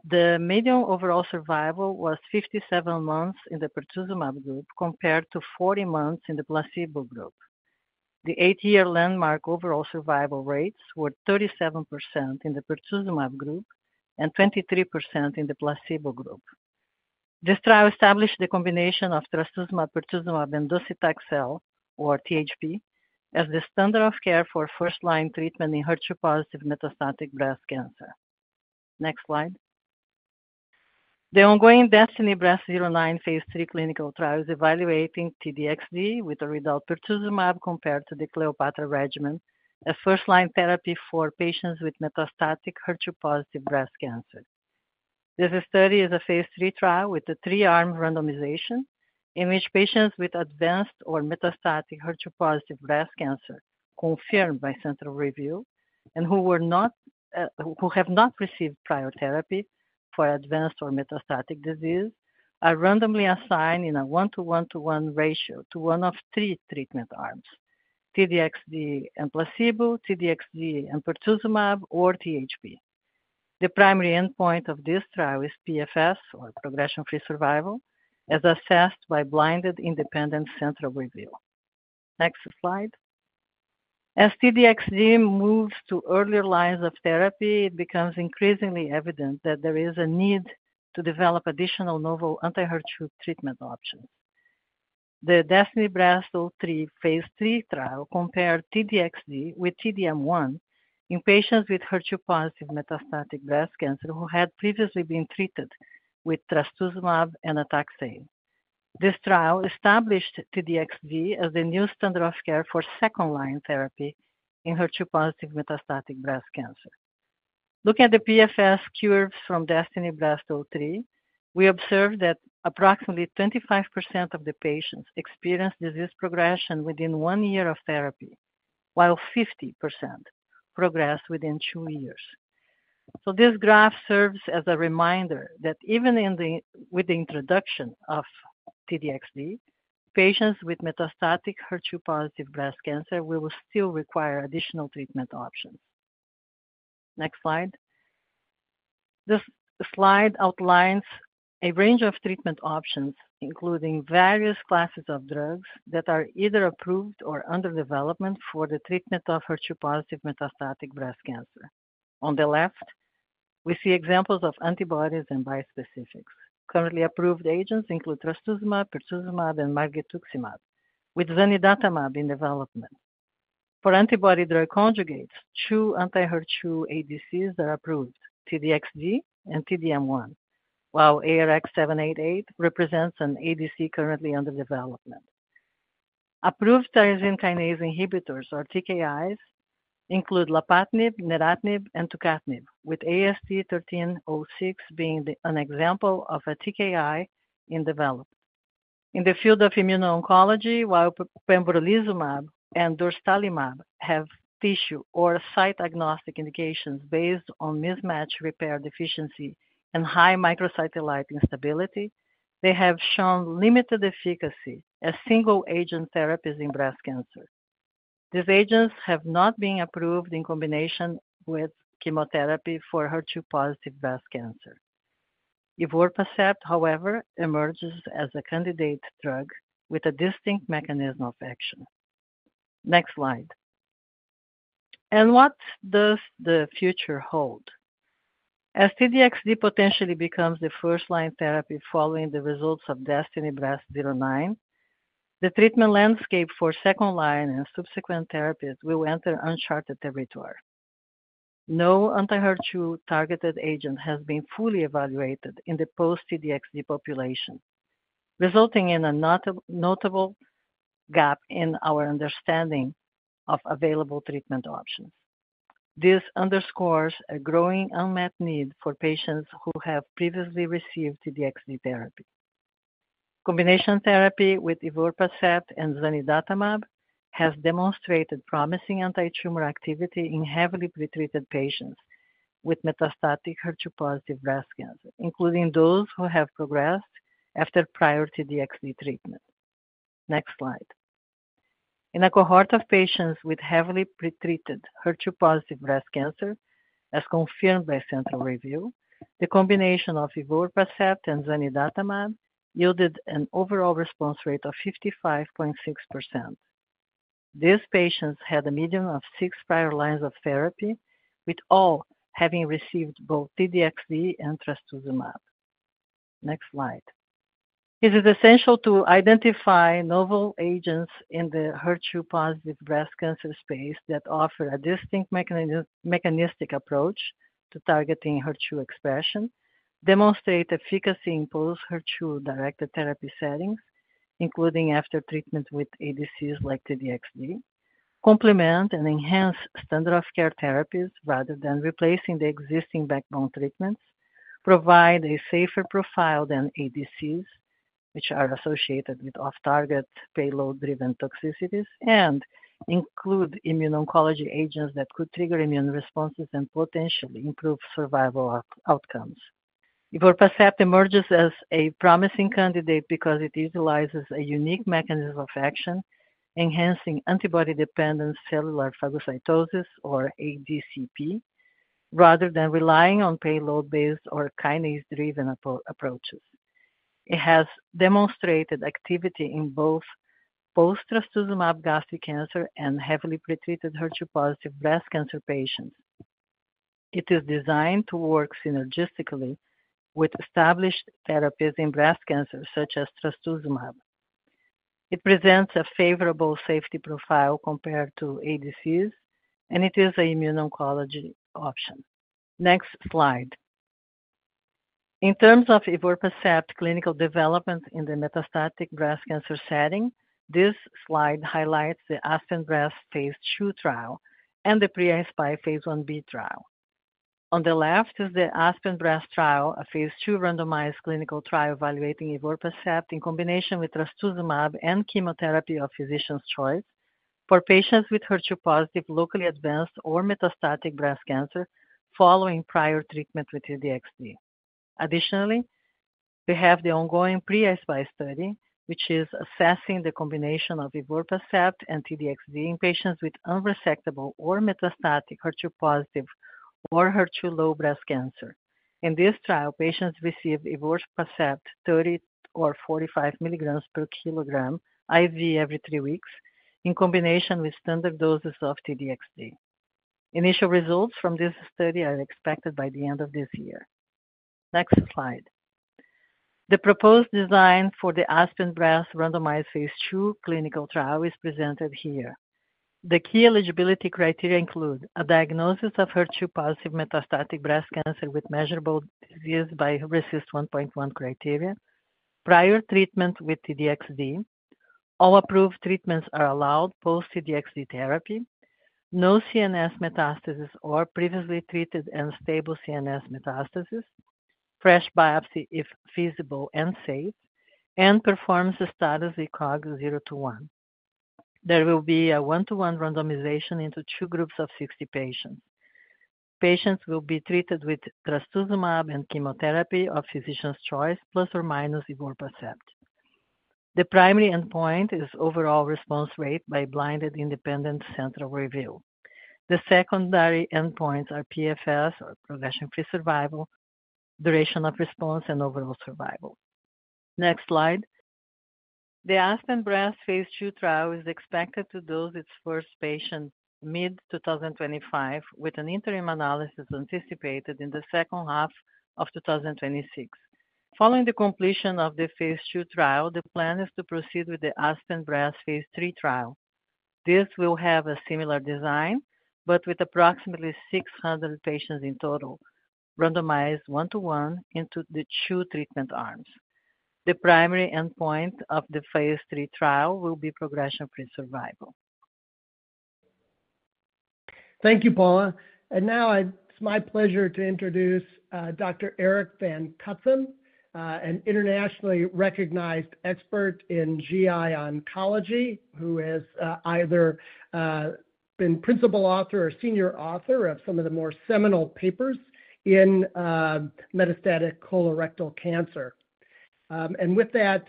Speaker 5: the median overall survival was 57 months in the pertuzumab group compared to 40 months in the placebo group. The eight-year landmark overall survival rates were 37% in the Pertuzumab group and 23% in the placebo group. This trial established the combination of Trastuzumab, Pertuzumab, and Docetaxel, or THP, as the standard of care for first-line treatment in HER2-positive metastatic breast cancer. Next slide. The ongoing DESTINY-Breast09 phase three clinical trial is evaluating T-DXd with or without Pertuzumab compared to the Cleopatra regimen, a first-line therapy for patients with metastatic HER2-positive breast cancer. This study is a phase three trial with a three-arm randomization in which patients with advanced or metastatic HER2-positive breast cancer confirmed by central review and who have not received prior therapy for advanced or metastatic disease are randomly assigned in a one-to-one-to-one ratio to one of three treatment arms: T-DXd and placebo, T-DXd and Pertuzumab, or THP. The primary endpoint of this trial is PFS, or progression-free survival, as assessed by blinded independent central review. Next slide. As T-DXd moves to earlier lines of therapy, it becomes increasingly evident that there is a need to develop additional novel anti-HER2 treatment options. The DESTINY-Breast03 phase three trial compared T-DXd with T-DM1 in patients with HER2-positive metastatic breast cancer who had previously been treated with trastuzumab and a taxane. This trial established T-DXd as the new standard of care for second-line therapy in HER2-positive metastatic breast cancer. Looking at the PFS curves from DESTINY-Breast03, we observe that approximately 25% of the patients experienced disease progression within one year of therapy, while 50% progressed within two years. This graph serves as a reminder that even with the introduction of T-DXd, patients with metastatic HER2-positive breast cancer will still require additional treatment options. Next slide. This slide outlines a range of treatment options, including various classes of drugs that are either approved or under development for the treatment of HER2-positive metastatic breast cancer. On the left, we see examples of antibodies and bispecifics. Currently approved agents include trastuzumab, pertuzumab, and margetuximab, with zanidatamab in development. For antibody-drug conjugates, two anti-HER2 ADCs are approved: T-DXd and T-DM1, while ARX788 represents an ADC currently under development. Approved tyrosine kinase inhibitors, or TKIs, include lapatinib, neratinib, and tucatinib, with AST1306 being an example of a TKI in development. In the field of immuno-oncology, while pembrolizumab and dostarlimab have tissue or site-agnostic indications based on mismatch repair deficiency and high microsatellite instability, they have shown limited efficacy as single-agent therapies in breast cancer. These agents have not been approved in combination with chemotherapy for HER2-positive breast cancer. Evorpacept, however, emerges as a candidate drug with a distinct mechanism of action. Next slide. What does the future hold? As T-DXd potentially becomes the first-line therapy following the results of DESTINY-Breast09, the treatment landscape for second-line and subsequent therapies will enter uncharted territory. No anti-HER2 targeted agent has been fully evaluated in the post-T-DXd population, resulting in a notable gap in our understanding of available treatment options. This underscores a growing unmet need for patients who have previously received T-DXd therapy. Combination therapy with evorpacept and zanidatamab has demonstrated promising anti-tumor activity in heavily pretreated patients with metastatic HER2-positive breast cancer, including those who have progressed after prior T-DXd treatment. Next slide. In a cohort of patients with heavily pretreated HER2-positive breast cancer, as confirmed by central review, the combination of evorpacept and zanidatamab yielded an overall response rate of 55.6%. These patients had a median of six prior lines of therapy, with all having received both T-DXd and trastuzumab. Next slide. It is essential to identify novel agents in the HER2-positive breast cancer space that offer a distinct mechanistic approach to targeting HER2 expression, demonstrate efficacy in post-HER2-directed therapy settings, including after treatment with ADCs like T-DXd, complement and enhance standard of care therapies rather than replacing the existing backbone treatments, provide a safer profile than ADCs, which are associated with off-target payload-driven toxicities, and include immuno-oncology agents that could trigger immune responses and potentially improve survival outcomes. Evorpacept emerges as a promising candidate because it utilizes a unique mechanism of action, enhancing antibody-dependent cellular phagocytosis, or ADCP, rather than relying on payload-based or kinase-driven approaches. It has demonstrated activity in both post-trastuzumab gastric cancer and heavily pretreated HER2-positive breast cancer patients. It is designed to work synergistically with established therapies in breast cancer, such as trastuzumab. It presents a favorable safety profile compared to ADCs, and it is an immuno-oncology option. Next slide. In terms of evorpacept clinical development in the metastatic breast cancer setting, this slide highlights the Aspen Breast phase two trial and the PRIOSPHI phase one B trial. On the left is the Aspen Breast trial, a phase two randomized clinical trial evaluating evorpacept in combination with trastuzumab and chemotherapy of physician's choice for patients with HER2-positive, locally advanced, or metastatic breast cancer following prior treatment with T-DXd. Additionally, we have the ongoing PRIOSPHI study, which is assessing the combination of evorpacept and T-DXd in patients with unresectable or metastatic HER2-positive or HER2-low breast cancer. In this trial, patients received evorpacept 30 or 45 milligrams per kilogram IV every three weeks in combination with standard doses of T-DXd. Initial results from this study are expected by the end of this year. Next slide. The proposed design for the Aspen Breast randomized phase two clinical trial is presented here. The key eligibility criteria include a diagnosis of HER2-positive metastatic breast cancer with measurable disease by RECIST 1.1 criteria, prior treatment with T-DXd, all approved treatments are allowed post-T-DXd therapy, no CNS metastasis or previously treated and stable CNS metastasis, fresh biopsy if feasible and safe, and performance status ECOG 0 to 1. There will be a one-to-one randomization into two groups of 60 patients. These patients will be treated with trastuzumab and chemotherapy of physician's choice, plus or minus evorpacept. The primary endpoint is overall response rate by blinded independent central review. The secondary endpoints are PFS, or progression-free survival, duration of response, and overall survival. Next slide. The Aspen Breast phase two trial is expected to dose its first patient mid-2025, with an interim analysis anticipated in the second half of 2026. Following the completion of the phase two trial, the plan is to proceed with the Aspen Breast phase three trial. This will have a similar design, but with approximately 600 patients in total, randomized one-to-one into the two treatment arms. The primary endpoint of the phase three trial will be progression-free survival.
Speaker 4: Thank you, Paula. It is now my pleasure to introduce Dr. Eric Van Cutsem, an internationally recognized expert in GI oncology, who has either been principal author or senior author of some of the more seminal papers in metastatic colorectal cancer. With that,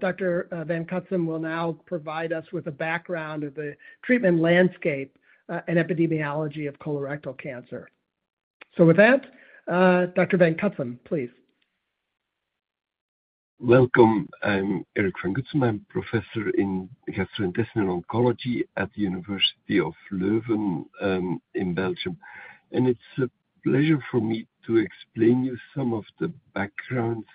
Speaker 4: Dr. Van Cutsem will now provide us with a background of the treatment landscape and epidemiology of colorectal cancer. Dr. Van Cutsem, please.
Speaker 6: Welcome. I'm Eric Van Cutsem. I'm a professor in gastrointestinal oncology at the University of Leuven in Belgium. It's a pleasure for me to explain to you some of the backgrounds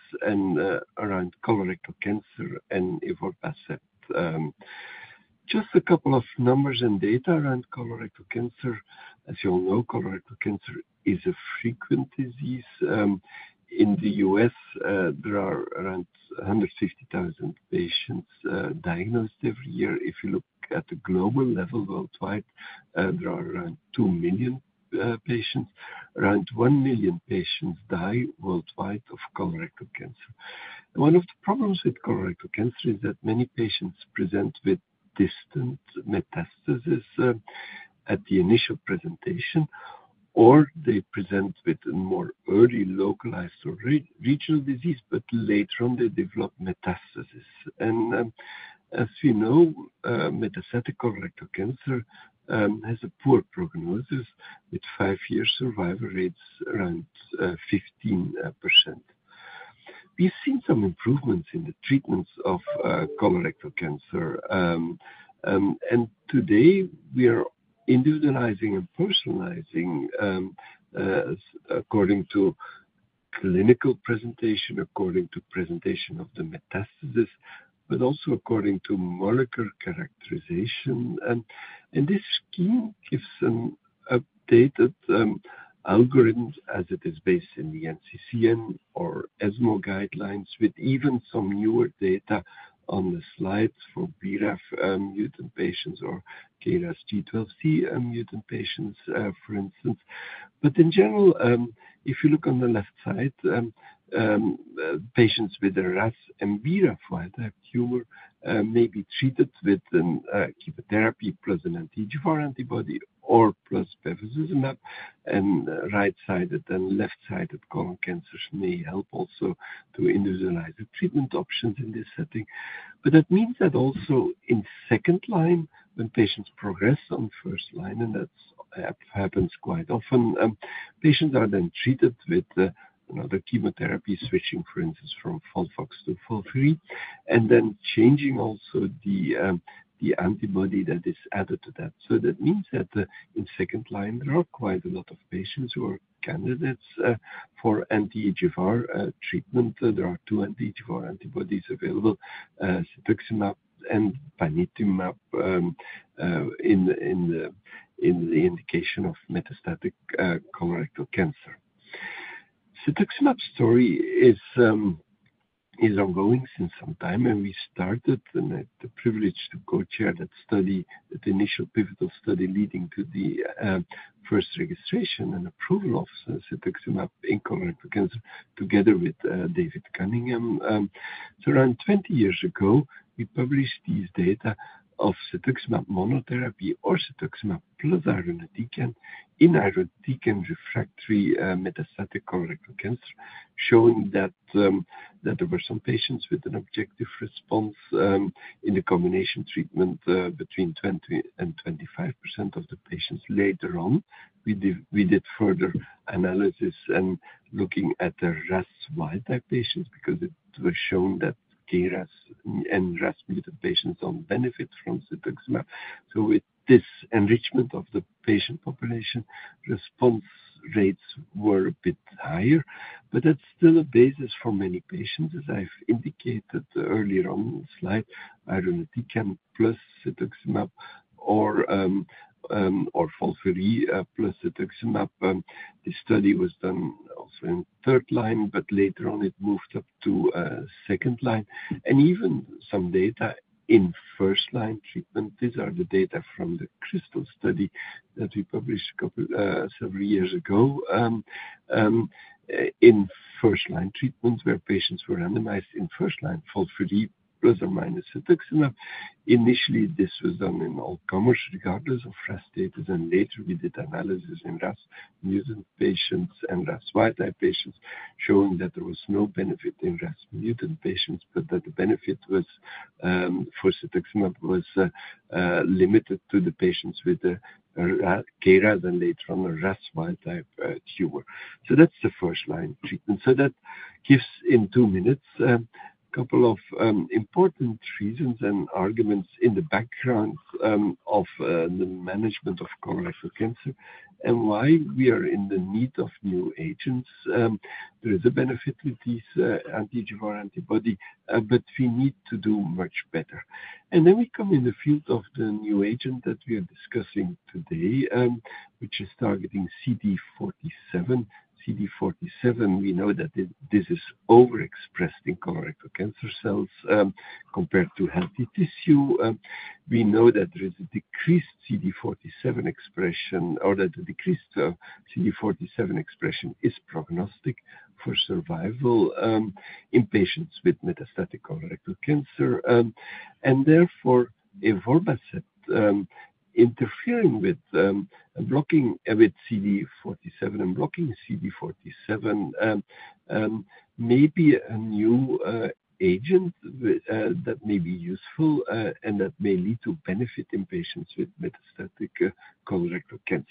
Speaker 6: around colorectal cancer and evorpacept. Just a couple of numbers and data around colorectal cancer. As you all know, colorectal cancer is a frequent disease. In the U.S., there are around 150,000 patients diagnosed every year. If you look at the global level worldwide, there are around 2 million patients. Around 1 million patients die worldwide of colorectal cancer. One of the problems with colorectal cancer is that many patients present with distant metastasis at the initial presentation, or they present with a more early localized or regional disease, but later on, they develop metastasis. As we know, metastatic colorectal cancer has a poor prognosis with five-year survival rates around 15%. We've seen some improvements in the treatments of colorectal cancer. Today, we are individualizing and personalizing according to clinical presentation, according to presentation of the metastasis, but also according to molecular characterization. This scheme gives an updated algorithm as it is based in the NCCN or ESMO guidelines, with even some newer data on the slides for BRAF mutant patients or KRAS G12C mutant patients, for instance. In general, if you look on the left side, patients with a RAS and BRAF wild-type tumor may be treated with chemotherapy plus an anti-EGFR antibody or plus bevacizumab. Right-sided and left-sided colon cancers may help also to individualize the treatment options in this setting. That means that also in second line, when patients progress on first line, and that happens quite often, patients are then treated with another chemotherapy, switching, for instance, from FOLFOX to FOLFIRI, and then changing also the antibody that is added to that. That means that in second line, there are quite a lot of patients who are candidates for anti-EGFR treatment. There are two anti-EGFR antibodies available, cetuximab and panitumumab, in the indication of metastatic colorectal cancer. Cetuximab's story is ongoing since some time, and we started and had the privilege to co-chair that study, that initial pivotal study leading to the first registration and approval of cetuximab in colorectal cancer together with David Cunningham. Around 20 years ago, we published these data of cetuximab monotherapy or cetuximab plus irinotecan in irinotecan refractory metastatic colorectal cancer, showing that there were some patients with an objective response in the combination treatment between 20-25% of the patients. Later on, we did further analysis and looking at the RAS wild-type patients because it was shown that KRAS and RAS mutant patients do not benefit from cetuximab. With this enrichment of the patient population, response rates were a bit higher, but that is still a basis for many patients, as I have indicated earlier on the slide, irinotecan plus cetuximab or FOLFIRI plus cetuximab. This study was done also in third line, but later on, it moved up to second line. Even some data in first-line treatment, these are the data from the CRISTAL study that we published several years ago in first-line treatments where patients were randomized in first line, FOLFIRI plus or minus cetuximab. Initially, this was done in all comers regardless of RAS status. Later, we did analysis in RAS mutant patients and RAS wild-type patients, showing that there was no benefit in RAS mutant patients, but that the benefit for cetuximab was limited to the patients with KRAS and later on a RAS wild-type tumor. That is the first-line treatment. That gives in two minutes a couple of important reasons and arguments in the background of the management of colorectal cancer and why we are in the need of new agents. There is a benefit with this anti-G4 antibody, but we need to do much better. We come in the field of the new agent that we are discussing today, which is targeting CD47. CD47, we know that this is overexpressed in colorectal cancer cells compared to healthy tissue. We know that there is a decreased CD47 expression or that the decreased CD47 expression is prognostic for survival in patients with metastatic colorectal cancer. Therefore, evorpacept interfering with CD47 and blocking CD47 may be a new agent that may be useful and that may lead to benefit in patients with metastatic colorectal cancer.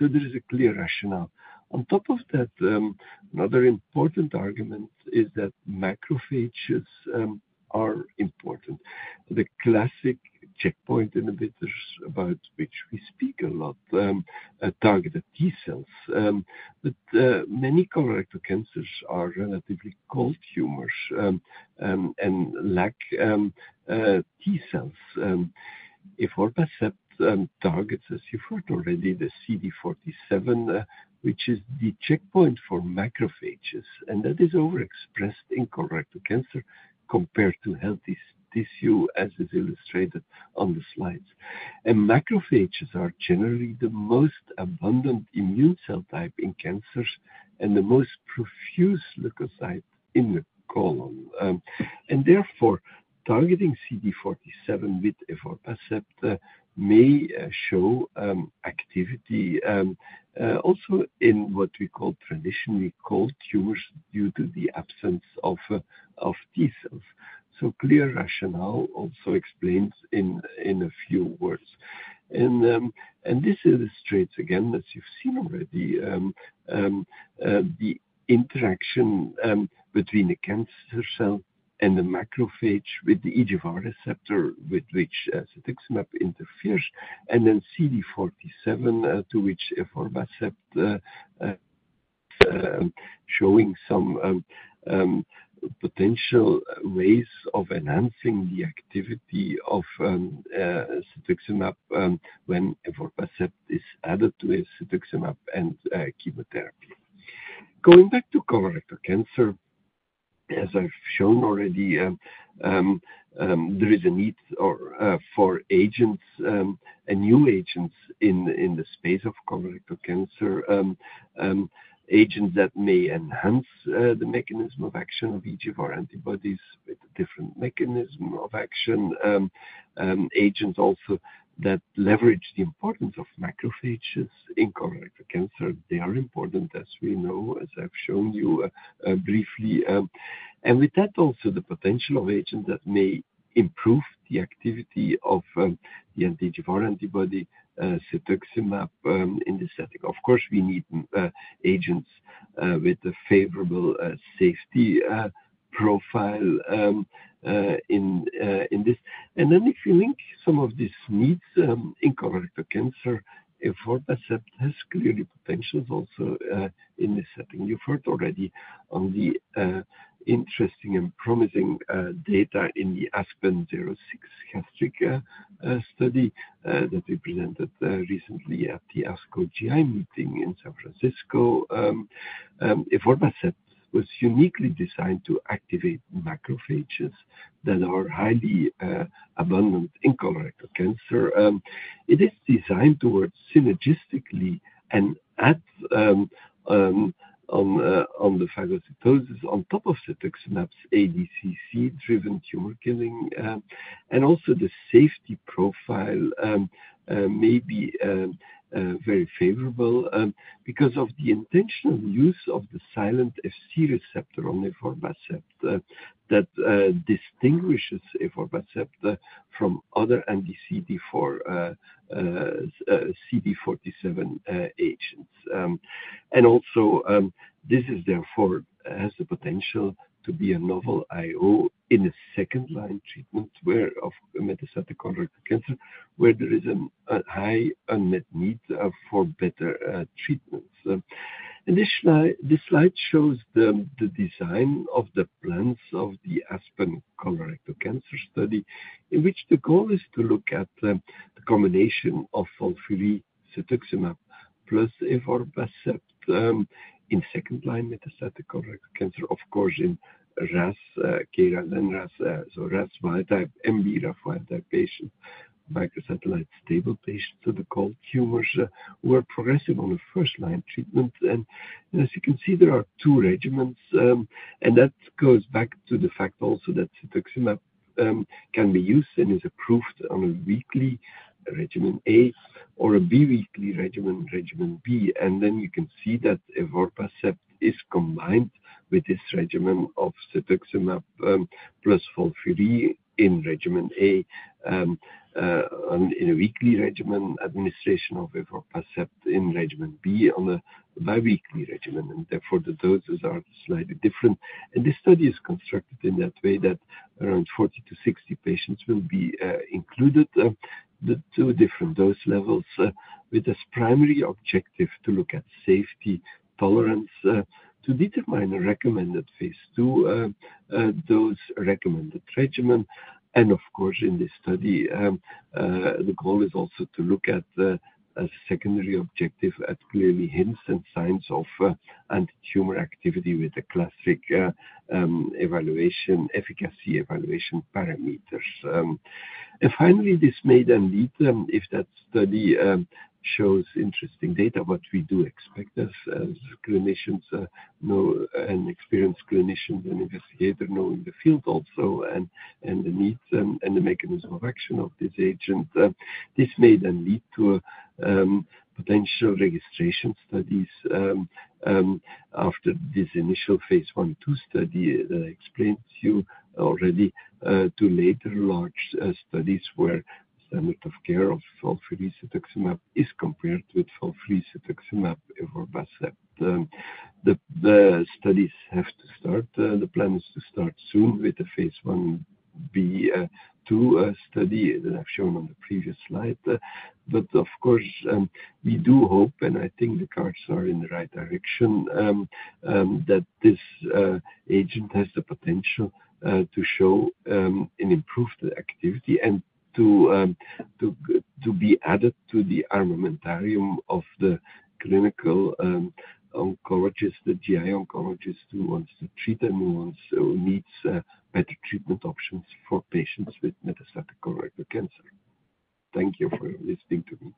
Speaker 6: There is a clear rationale. On top of that, another important argument is that macrophages are important. The classic checkpoint inhibitors about which we speak a lot targeted T cells. Many colorectal cancers are relatively cold tumors and lack T cells. Evorpacept targets, as you've heard already, the CD47, which is the checkpoint for macrophages, and that is overexpressed in colorectal cancer compared to healthy tissue, as is illustrated on the slides. Macrophages are generally the most abundant immune cell type in cancers and the most profuse leukocyte in the colon. Therefore, targeting CD47 with evorpacept may show activity also in what we call traditionally cold tumors due to the absence of T cells. Clear rationale also explains in a few words. This illustrates, again, as you've seen already, the interaction between the cancer cell and the macrophage with the EGFR receptor, with which cetuximab interferes, and then CD47, to which evorpacept is showing some potential ways of enhancing the activity of cetuximab when evorpacept is added to cetuximab and chemotherapy. Going back to colorectal cancer, as I've shown already, there is a need for new agents in the space of colorectal cancer, agents that may enhance the mechanism of action of EGFR antibodies with a different mechanism of action, agents also that leverage the importance of macrophages in colorectal cancer. They are important, as we know, as I've shown you briefly. With that, also the potential of agents that may improve the activity of the anti-CD47 antibody, cetuximab in this setting. Of course, we need agents with a favorable safety profile in this. If you link some of these needs in colorectal cancer, evorpacept has clearly potentials also in this setting. You've heard already on the interesting and promising data in the Aspen-06 gastric study that we presented recently at the ASCO GI meeting in San Francisco. Evorpacept was uniquely designed to activate macrophages that are highly abundant in colorectal cancer. It is designed towards synergistically and adds on the phagocytosis on top of cetuximab's ADCC-driven tumor killing. The safety profile may be very favorable because of the intentional use of the silent Fc receptor on evorpacept that distinguishes evorpacept from other anti-CD47 agents. This therefore has the potential to be a novel IO in a second-line treatment of metastatic colorectal cancer, where there is a high unmet need for better treatments. This slide shows the design of the plans of the Aspen colorectal cancer study, in which the goal is to look at the combination of FOLFIRI, cetuximab plus evorpacept in second-line metastatic colorectal cancer, of course, in KRAS and RAS, so RAS wild-type and BRAF wild-type patients, microsatellite stable patients. The cold tumors were progressive on the first-line treatment. As you can see, there are two regimens. That goes back to the fact also that cetuximab can be used and is approved on a weekly regimen A or a biweekly regimen, regimen B. You can see that evorpacept is combined with this regimen of cetuximab plus FOLFIRI in regimen A in a weekly regimen, administration of evorpacept in regimen B on a biweekly regimen. Therefore, the doses are slightly different. This study is constructed in that way that around 40-60 patients will be included, the two different dose levels, with this primary objective to look at safety tolerance to determine a recommended phase two dose recommended regimen. Of course, in this study, the goal is also to look at a secondary objective at clearly hints and signs of anti-tumor activity with a classic evaluation, efficacy evaluation parameters. Finally, this may then lead if that study shows interesting data, what we do expect as clinicians and experienced clinicians and investigators knowing the field also and the needs and the mechanism of action of this agent. This may then lead to potential registration studies after this initial phase one-two study that I explained to you already. To later, large studies where standard of care of FOLFIRI, cetuximab is compared with FOLFIRI, cetuximab, evorpacept. The studies have to start. The plan is to start soon with the phase one-b-two study that I've shown on the previous slide. Of course, we do hope, and I think the cards are in the right direction, that this agent has the potential to show an improved activity and to be added to the armamentarium of the clinical oncologist, the GI oncologist who wants to treat and who needs better treatment options for patients with metastatic colorectal cancer. Thank you for listening to me.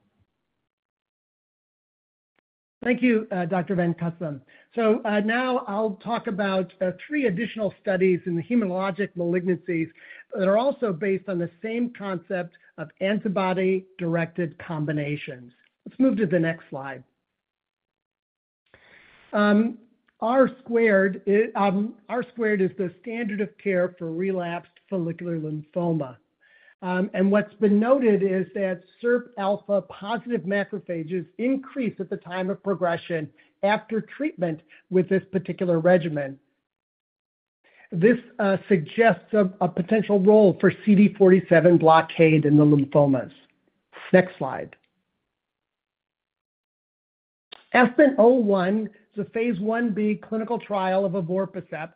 Speaker 4: Thank you, Dr. Van Cutsem. Now I'll talk about three additional studies in the hematologic malignancies that are also based on the same concept of antibody-directed combinations. Let's move to the next slide. R2 is the standard of care for relapsed follicular lymphoma. What's been noted is that SIRPα positive macrophages increase at the time of progression after treatment with this particular regimen. This suggests a potential role for CD47 blockade in the lymphomas. Next slide. Aspen-01 is a phase 1b clinical trial of evorpacept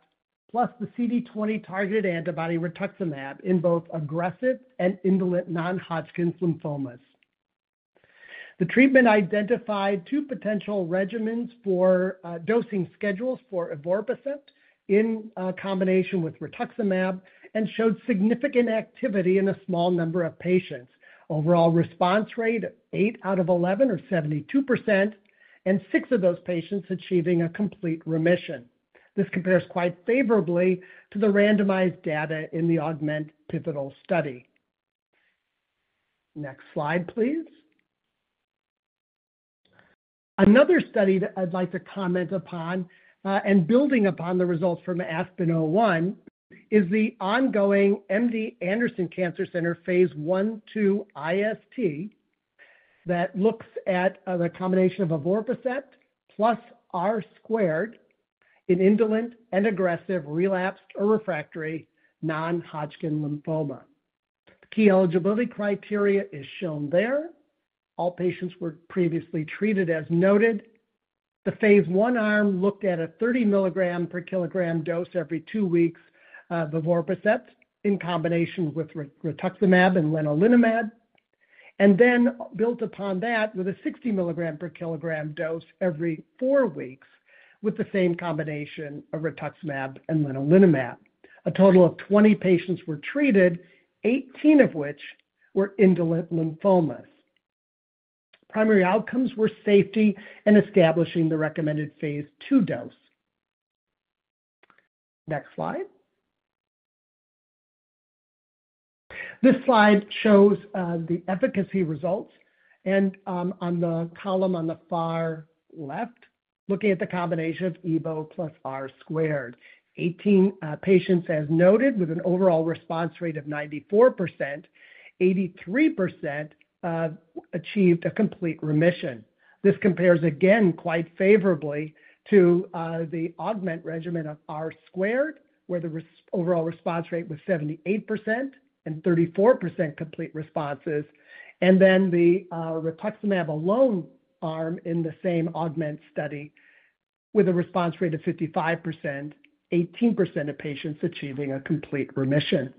Speaker 4: plus the CD20 targeted antibody rituximab in both aggressive and indolent non-Hodgkin's lymphomas. The treatment identified two potential regimens for dosing schedules for evorpacept in combination with rituximab and showed significant activity in a small number of patients. Overall response rate of 8 out of 11 or 72%, and six of those patients achieving a complete remission. This compares quite favorably to the randomized data in the AUGMENT pivotal study. Next slide, please. Another study that I'd like to comment upon and building upon the results from Aspen-01 is the ongoing MD Anderson Cancer Center phase 1-2 IST that looks at the combination of evorpacept plus R2 in indolent and aggressive relapsed or refractory non-Hodgkin's lymphoma. Key eligibility criteria is shown there. All patients were previously treated as noted. The phase one arm looked at a 30 mg per kg dose every two weeks of evorpacept in combination with rituximab and lenalidomide. Built upon that with a 60 mg per kg dose every four weeks with the same combination of rituximab and lenalidomide. A total of 20 patients were treated, 18 of which were indolent lymphomas. Primary outcomes were safety and establishing the recommended phase two dose. Next slide. This slide shows the efficacy results. On the column on the far left, looking at the combination of evo plus R2, 18 patients as noted with an overall response rate of 94%, 83% achieved a complete remission. This compares again quite favorably to the AUGMENT regimen of R2, where the overall response rate was 78% and 34% complete responses. The rituximab alone arm in the same AUGMENT study with a response rate of 55%, 18% of patients achieving a complete remission.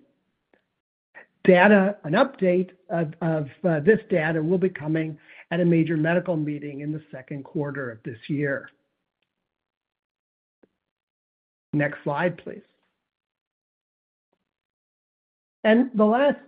Speaker 4: An update of this data will be coming at a major medical meeting in the second quarter of this year. Next slide, please. The last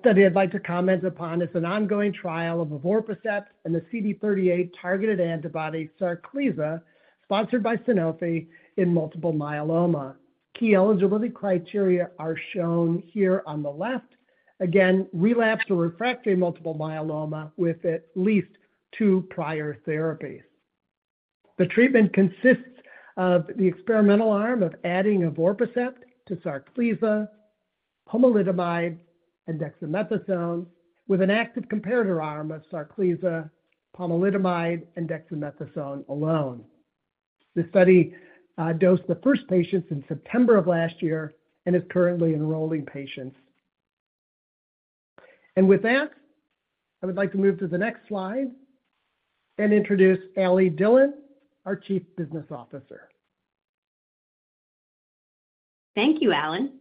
Speaker 4: study I'd like to comment upon is an ongoing trial of evorpacept and the CD38 targeted antibody Sarclisa, sponsored by Sanofi in multiple myeloma. Key eligibility criteria are shown here on the left. Again, relapsed or refractory multiple myeloma with at least two prior therapies. The treatment consists of the experimental arm of adding evorpacept to Sarclisa, pomalidomide, and dexamethasone, with an active comparator arm of Sarclisa, pomalidomide, and dexamethasone alone. The study dosed the first patients in September of last year and is currently enrolling patients. With that, I would like to move to the next slide and introduce Alli Dillon, our Chief Business Officer.
Speaker 7: Thank you, Alan.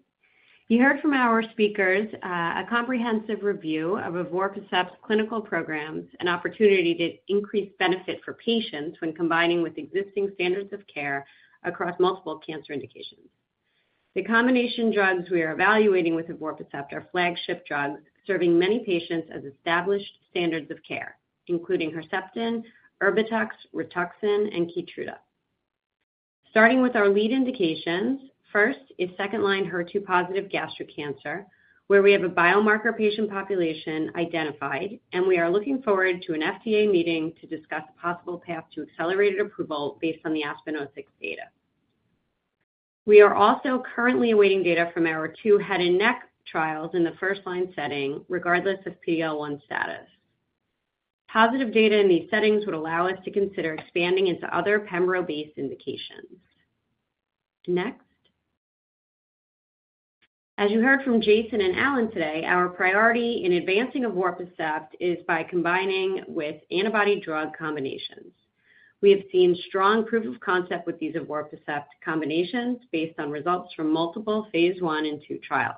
Speaker 7: You heard from our speakers a comprehensive review of evorpacept's clinical programs and opportunity to increase benefit for patients when combining with existing standards of care across multiple cancer indications. The combination drugs we are evaluating with evorpacept are flagship drugs serving many patients as established standards of care, including Herceptin, Erbitux, Rituxan, and Keytruda. Starting with our lead indications, first is second-line HER2-positive gastric cancer, where we have a biomarker patient population identified, and we are looking forward to an FDA meeting to discuss a possible path to accelerated approval based on the ASPEN-06 data. We are also currently awaiting data from our two head and neck trials in the first-line setting, regardless of PD-L1 status. Positive data in these settings would allow us to consider expanding into other pembrolizumab-based indications. Next. As you heard from Jason and Alan today, our priority in advancing evorpacept is by combining with antibody drug combinations. We have seen strong proof of concept with these evorpacept combinations based on results from multiple phase one and two trials.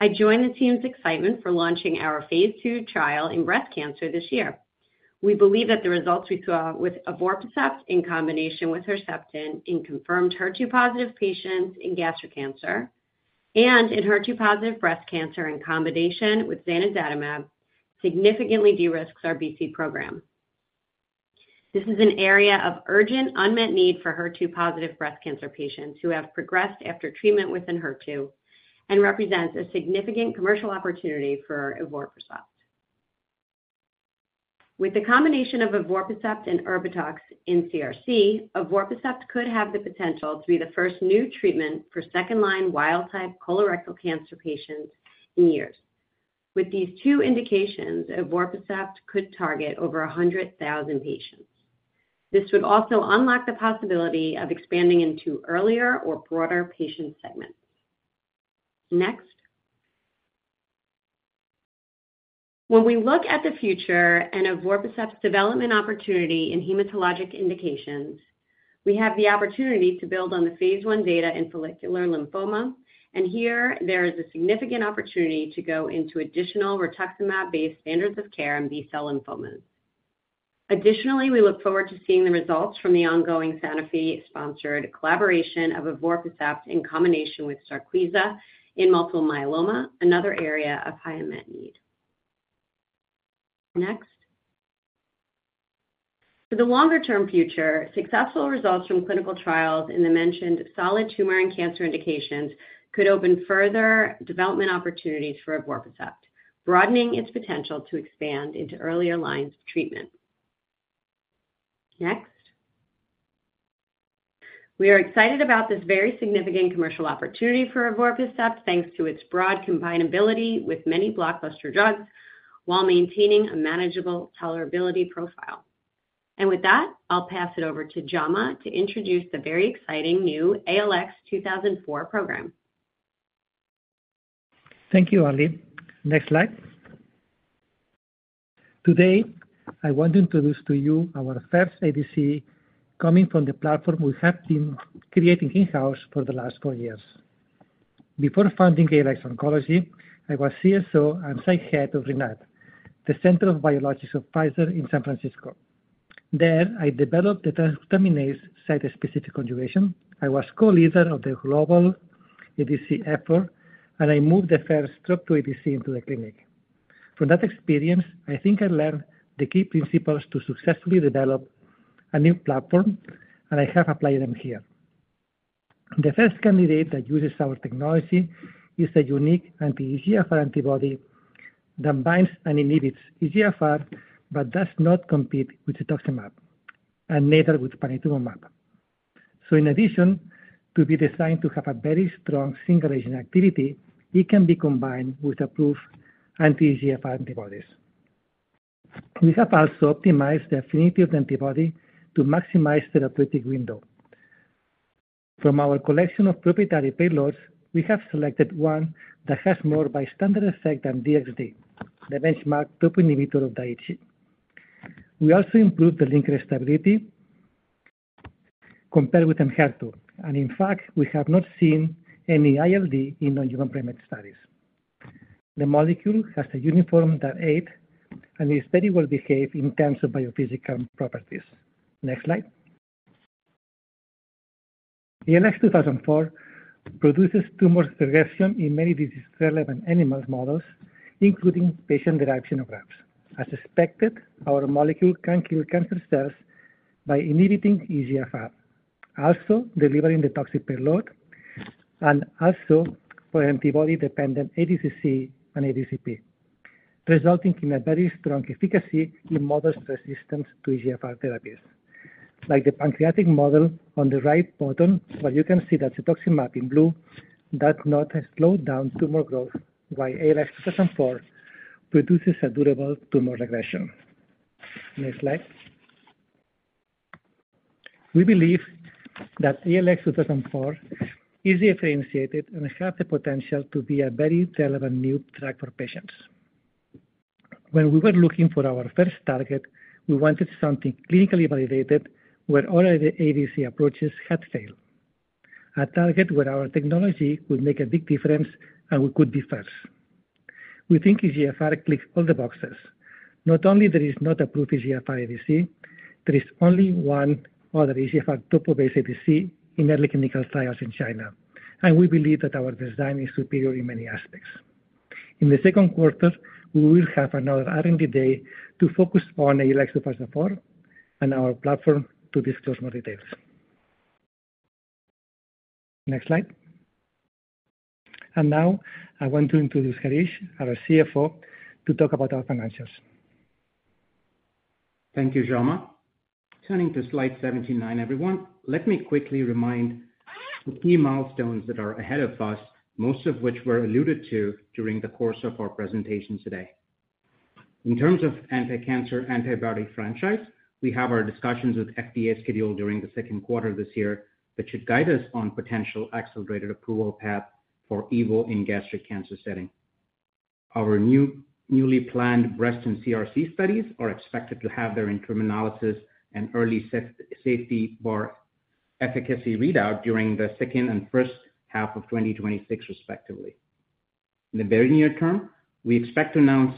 Speaker 7: I join the team's excitement for launching our phase two trial in breast cancer this year. We believe that the results we saw with evorpacept in combination with Herceptin in confirmed HER2-positive patients in gastric cancer and in HER2-positive breast cancer in combination with zanidatamab significantly de-risks our BC program. This is an area of urgent unmet need for HER2-positive breast cancer patients who have progressed after treatment with Enhertu and represents a significant commercial opportunity for evorpacept. With the combination of evorpacept and Erbitux in colorectal cancer, evorpacept could have the potential to be the first new treatment for second-line wild-type colorectal cancer patients in years. With these two indications, evorpacept could target over 100,000 patients. This would also unlock the possibility of expanding into earlier or broader patient segments. Next. When we look at the future and evorpacept's development opportunity in hematologic indications, we have the opportunity to build on the phase one data in follicular lymphoma. Here, there is a significant opportunity to go into additional rituximab-based standards of care in B-cell lymphomas. Additionally, we look forward to seeing the results from the ongoing Sanofi-sponsored collaboration of evorpacept in combination with Sarclisa in multiple myeloma, another area of high unmet need. Next. For the longer-term future, successful results from clinical trials in the mentioned solid tumor and cancer indications could open further development opportunities for evorpacept, broadening its potential to expand into earlier lines of treatment. Next. We are excited about this very significant commercial opportunity for evorpacept thanks to its broad combineability with many blockbuster drugs while maintaining a manageable tolerability profile. With that, I'll pass it over to Jaume to introduce the very exciting new ALX 2004 program.
Speaker 3: Thank you, Alli. Next slide. Today, I want to introduce to you our first ADC coming from the platform we have been creating in-house for the last four years. Before founding ALX Oncology, I was CSO and site head of RINAT, the Center of Biologics of Pfizer in San Francisco. There, I developed the transglutaminase site-specific conjugation. I was co-leader of the global ADC effort, and I moved the first drug ADC into the clinic. From that experience, I think I learned the key principles to successfully develop a new platform, and I have applied them here. The first candidate that uses our technology is a unique anti-EGFR antibody that binds and inhibits EGFR but does not compete with cetuximab and neither with panitumumab. In addition to being designed to have a very strong single-agent activity, it can be combined with approved anti-EGFR antibodies. We have also optimized the affinity of the antibody to maximize therapeutic window. From our collection of proprietary payloads, we have selected one that has more bystander effect than DXd, the benchmark topoisomerase inhibitor of the ADC. We also improved the linker stability compared with T-DXd. In fact, we have not seen any ILD in non-human primate studies. The molecule has a uniform DAR 8, and it is very well behaved in terms of biophysical properties. Next slide. ALX 2004 produces tumor regression in many disease-relevant animal models, including patient-derived xenografts. As expected, our molecule can kill cancer cells by inhibiting EGFR, also delivering the toxic payload, and also for antibody-dependent ADCC and ADCP, resulting in a very strong efficacy in models resistant to EGFR therapies, like the pancreatic model on the right bottom, where you can see that rituximab in blue does not slow down tumor growth, while ALX 2004 produces a durable tumor regression. Next slide. We believe that ALX 2004 is differentiated and has the potential to be a very relevant new drug for patients. When we were looking for our first target, we wanted something clinically validated where all the ADC approaches had failed. A target where our technology could make a big difference and we could be first. We think EGFR clicks all the boxes. Not only is there not approved EGFR ADC, there is only one other EGFR dopobase ADC in early clinical trials in China. We believe that our design is superior in many aspects. In the second quarter, we will have another R&D day to focus on ALX 2004 and our platform to disclose more details. Next slide. Now, I want to introduce Harish, our CFO, to talk about our financials.
Speaker 8: Thank you, Jaume. Turning to slide 79, everyone, let me quickly remind the key milestones that are ahead of us, most of which were alluded to during the course of our presentations today. In terms of anti-cancer antibody franchise, we have our discussions with FDA scheduled during the second quarter this year that should guide us on potential accelerated approval path for Evo in gastric cancer setting. Our newly planned breast and CRC studies are expected to have their incremental analysis and early safety bar efficacy readout during the second and first half of 2026, respectively. In the very near term, we expect to announce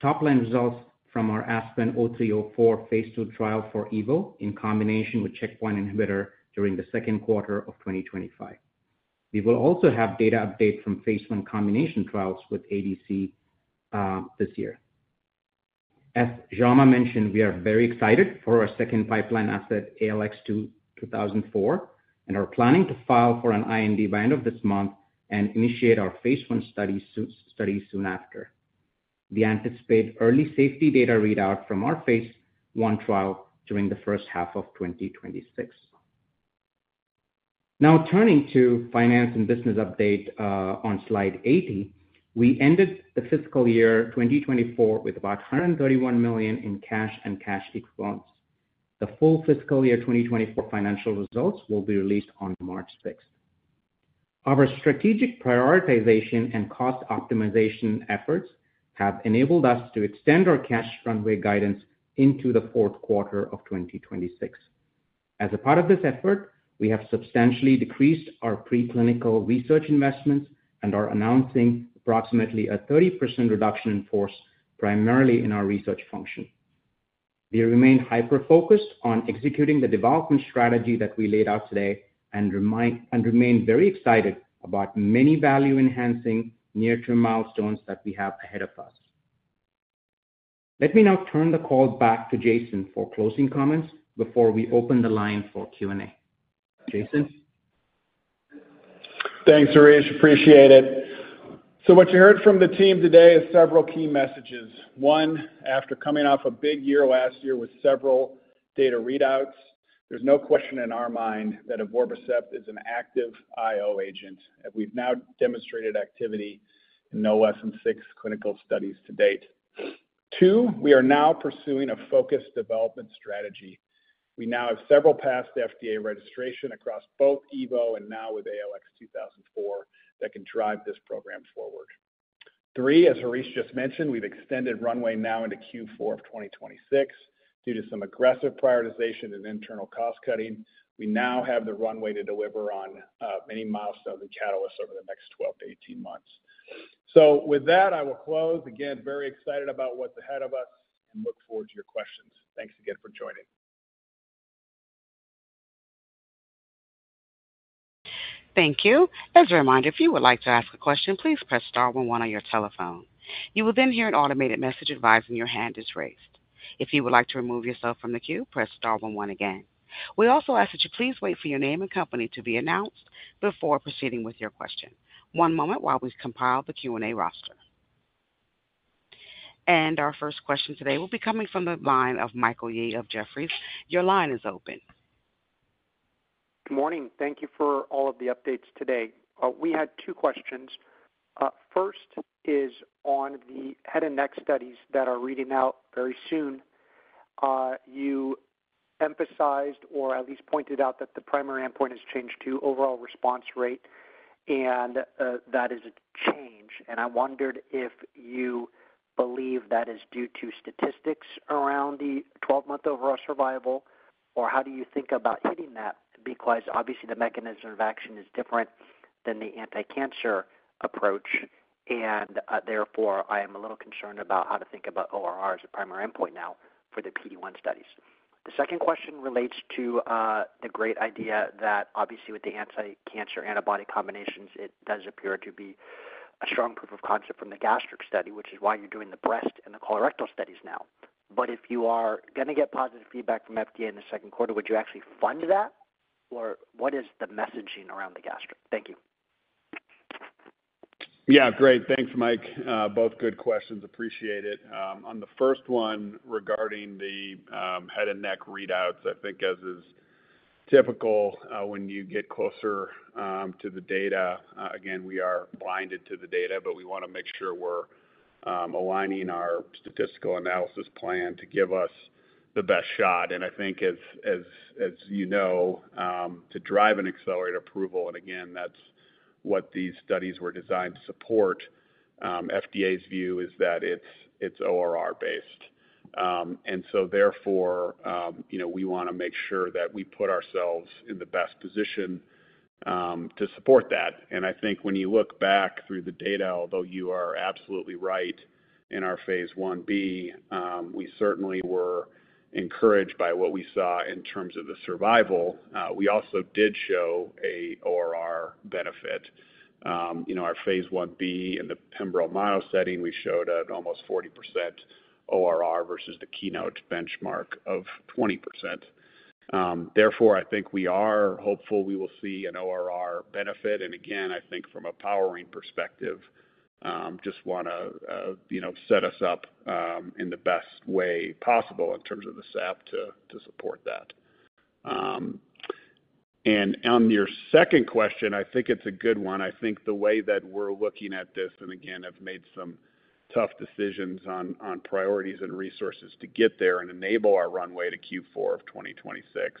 Speaker 8: top-line results from our Aspen-03/04 phase two trial for Evo in combination with checkpoint inhibitor during the second quarter of 2025. We will also have data updates from phase one combination trials with ADC this year. As Jaume mentioned, we are very excited for our second pipeline asset, ALX 2004, and are planning to file for an IND by the end of this month and initiate our phase one study soon after. We anticipate early safety data readout from our phase one trial during the first half of 2026. Now, turning to finance and business update on slide 80, we ended the fiscal year 2024 with about $131 million in cash and cash equivalents. The full fiscal year 2024 financial results will be released on March 6. Our strategic prioritization and cost optimization efforts have enabled us to extend our cash runway guidance into the fourth quarter of 2026. As a part of this effort, we have substantially decreased our preclinical research investments and are announcing approximately a 30% reduction in force, primarily in our research function. We remain hyper-focused on executing the development strategy that we laid out today and remain very excited about many value-enhancing near-term milestones that we have ahead of us. Let me now turn the call back to Jason for closing comments before we open the line for Q&A. Jason.
Speaker 2: Thanks, Harish. Appreciate it. What you heard from the team today is several key messages. One, after coming off a big year last year with several data readouts, there's no question in our mind that evorpacept is an active IO agent, and we've now demonstrated activity in no less than six clinical studies to date. Two, we are now pursuing a focused development strategy. We now have several past FDA registrations across both evo and now with ALX 2004 that can drive this program forward. Three, as Harish just mentioned, we've extended runway now into Q4 of 2026 due to some aggressive prioritization and internal cost-cutting. We now have the runway to deliver on many milestones and catalysts over the next 12 to 18 months. With that, I will close. Again, very excited about what's ahead of us and look forward to your questions. Thanks again for joining.
Speaker 1: Thank you. As a reminder, if you would like to ask a question, please press star 11 on your telephone. You will then hear an automated message advising your hand is raised. If you would like to remove yourself from the queue, press star 11 again. We also ask that you please wait for your name and company to be announced before proceeding with your question. One moment while we compile the Q&A roster. Our first question today will be coming from the line of Michael Yee of Jefferies. Your line is open.
Speaker 9: Good morning. Thank you for all of the updates today. We had two questions. First is on the head and neck studies that are reading out very soon. You emphasized, or at least pointed out, that the primary endpoint has changed to overall response rate, and that is a change. I wondered if you believe that is due to statistics around the 12-month overall survival, or how do you think about hitting that? Because obviously, the mechanism of action is different than the anti-cancer approach, and therefore, I am a little concerned about how to think about ORR as a primary endpoint now for the PD-1 studies. The second question relates to the great idea that obviously, with the anti-cancer antibody combinations, it does appear to be a strong proof of concept from the gastric study, which is why you're doing the breast and the colorectal studies now. If you are going to get positive feedback from FDA in the second quarter, would you actually fund that? What is the messaging around the gastric?
Speaker 2: Thank you. Yeah, great. Thanks, Mike. Both good questions. Appreciate it. On the first one regarding the head and neck readouts, I think as is typical when you get closer to the data, again, we are blinded to the data, but we want to make sure we're aligning our statistical analysis plan to give us the best shot. I think, as you know, to drive and accelerate approval, again, that's what these studies were designed to support. FDA's view is that it's ORR-based. Therefore, we want to make sure that we put ourselves in the best position to support that. I think when you look back through the data, although you are absolutely right in our phase 1b, we certainly were encouraged by what we saw in terms of the survival. We also did show an ORR benefit. Our phase 1b in the pembrolimodel setting, we showed an almost 40% ORR versus the Keynote benchmark of 20%. Therefore, I think we are hopeful we will see an ORR benefit. I think from a powering perspective, just want to set us up in the best way possible in terms of the SAP to support that. On your second question, I think it's a good one. I think the way that we're looking at this, have made some tough decisions on priorities and resources to get there and enable our runway to Q4 of 2026.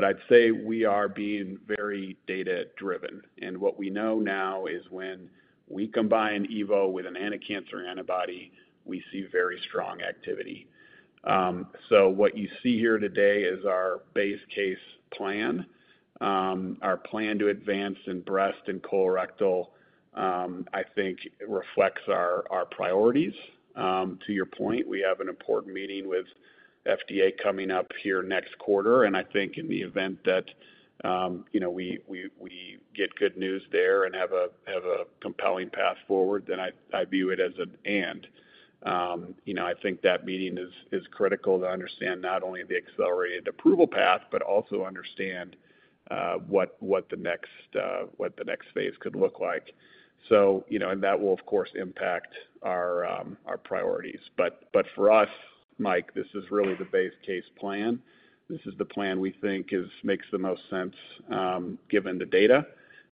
Speaker 2: I'd say we are being very data-driven. What we know now is when we combine Evo with an anti-cancer antibody, we see very strong activity. What you see here today is our base case plan. Our plan to advance in breast and colorectal, I think, reflects our priorities. To your point, we have an important meeting with FDA coming up here next quarter. I think in the event that we get good news there and have a compelling path forward, then I view it as an and. I think that meeting is critical to understand not only the accelerated approval path, but also understand what the next phase could look like. That will, of course, impact our priorities. For us, Mike, this is really the base case plan. This is the plan we think makes the most sense given the data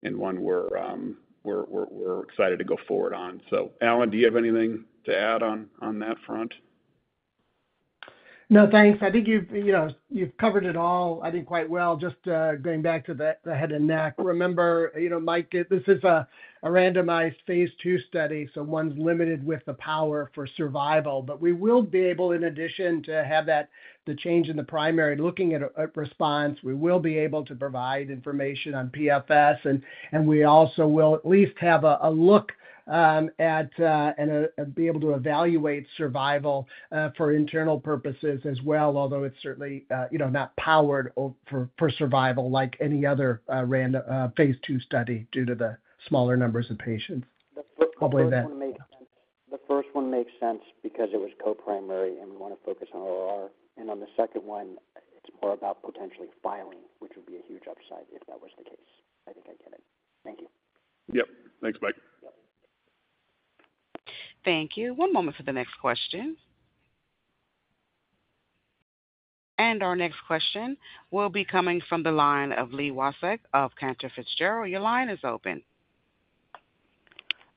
Speaker 2: and one we're excited to go forward on. Alan, do you have anything to add on that front?
Speaker 4: No, thanks. I think you've covered it all, I think, quite well. Just going back to the head and neck, remember, Mike, this is a randomized phase two study, so one's limited with the power for survival. We will be able, in addition to have the change in the primary looking at response, to provide information on PFS. We also will at least have a look at and be able to evaluate survival for internal purposes as well, although it's certainly not powered for survival like any other phase two study due to the smaller numbers of patients.
Speaker 9: The first one makes sense. The first one makes sense because it was co-primary, and we want to focus on ORR. On the second one, it's more about potentially filing, which would be a huge upside if that was the case. I think I get it. Thank you.
Speaker 2: Yep. Thanks, Mike. Thank you.
Speaker 1: One moment for the next question. Our next question will be coming from the line of Li Watsek of Cantor Fitzgerald. Your line is open.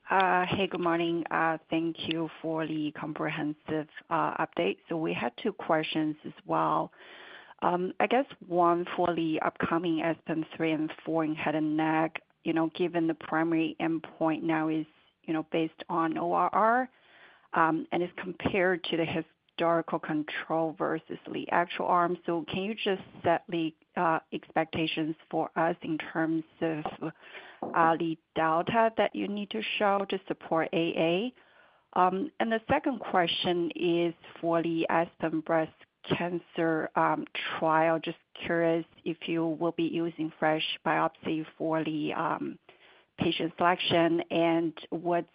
Speaker 10: Hey, good morning. Thank you for the comprehensive update. We had two questions as well. I guess one for the upcoming ASPEN-03 and 04 in head and neck, given the primary endpoint now is based on ORR and is compared to the historical control versus the actual arm. Can you just set the expectations for us in terms of the delta that you need to show to support AA? The second question is for the ASPEN Breast cancer trial. Just curious if you will be using fresh biopsy for the patient selection and what's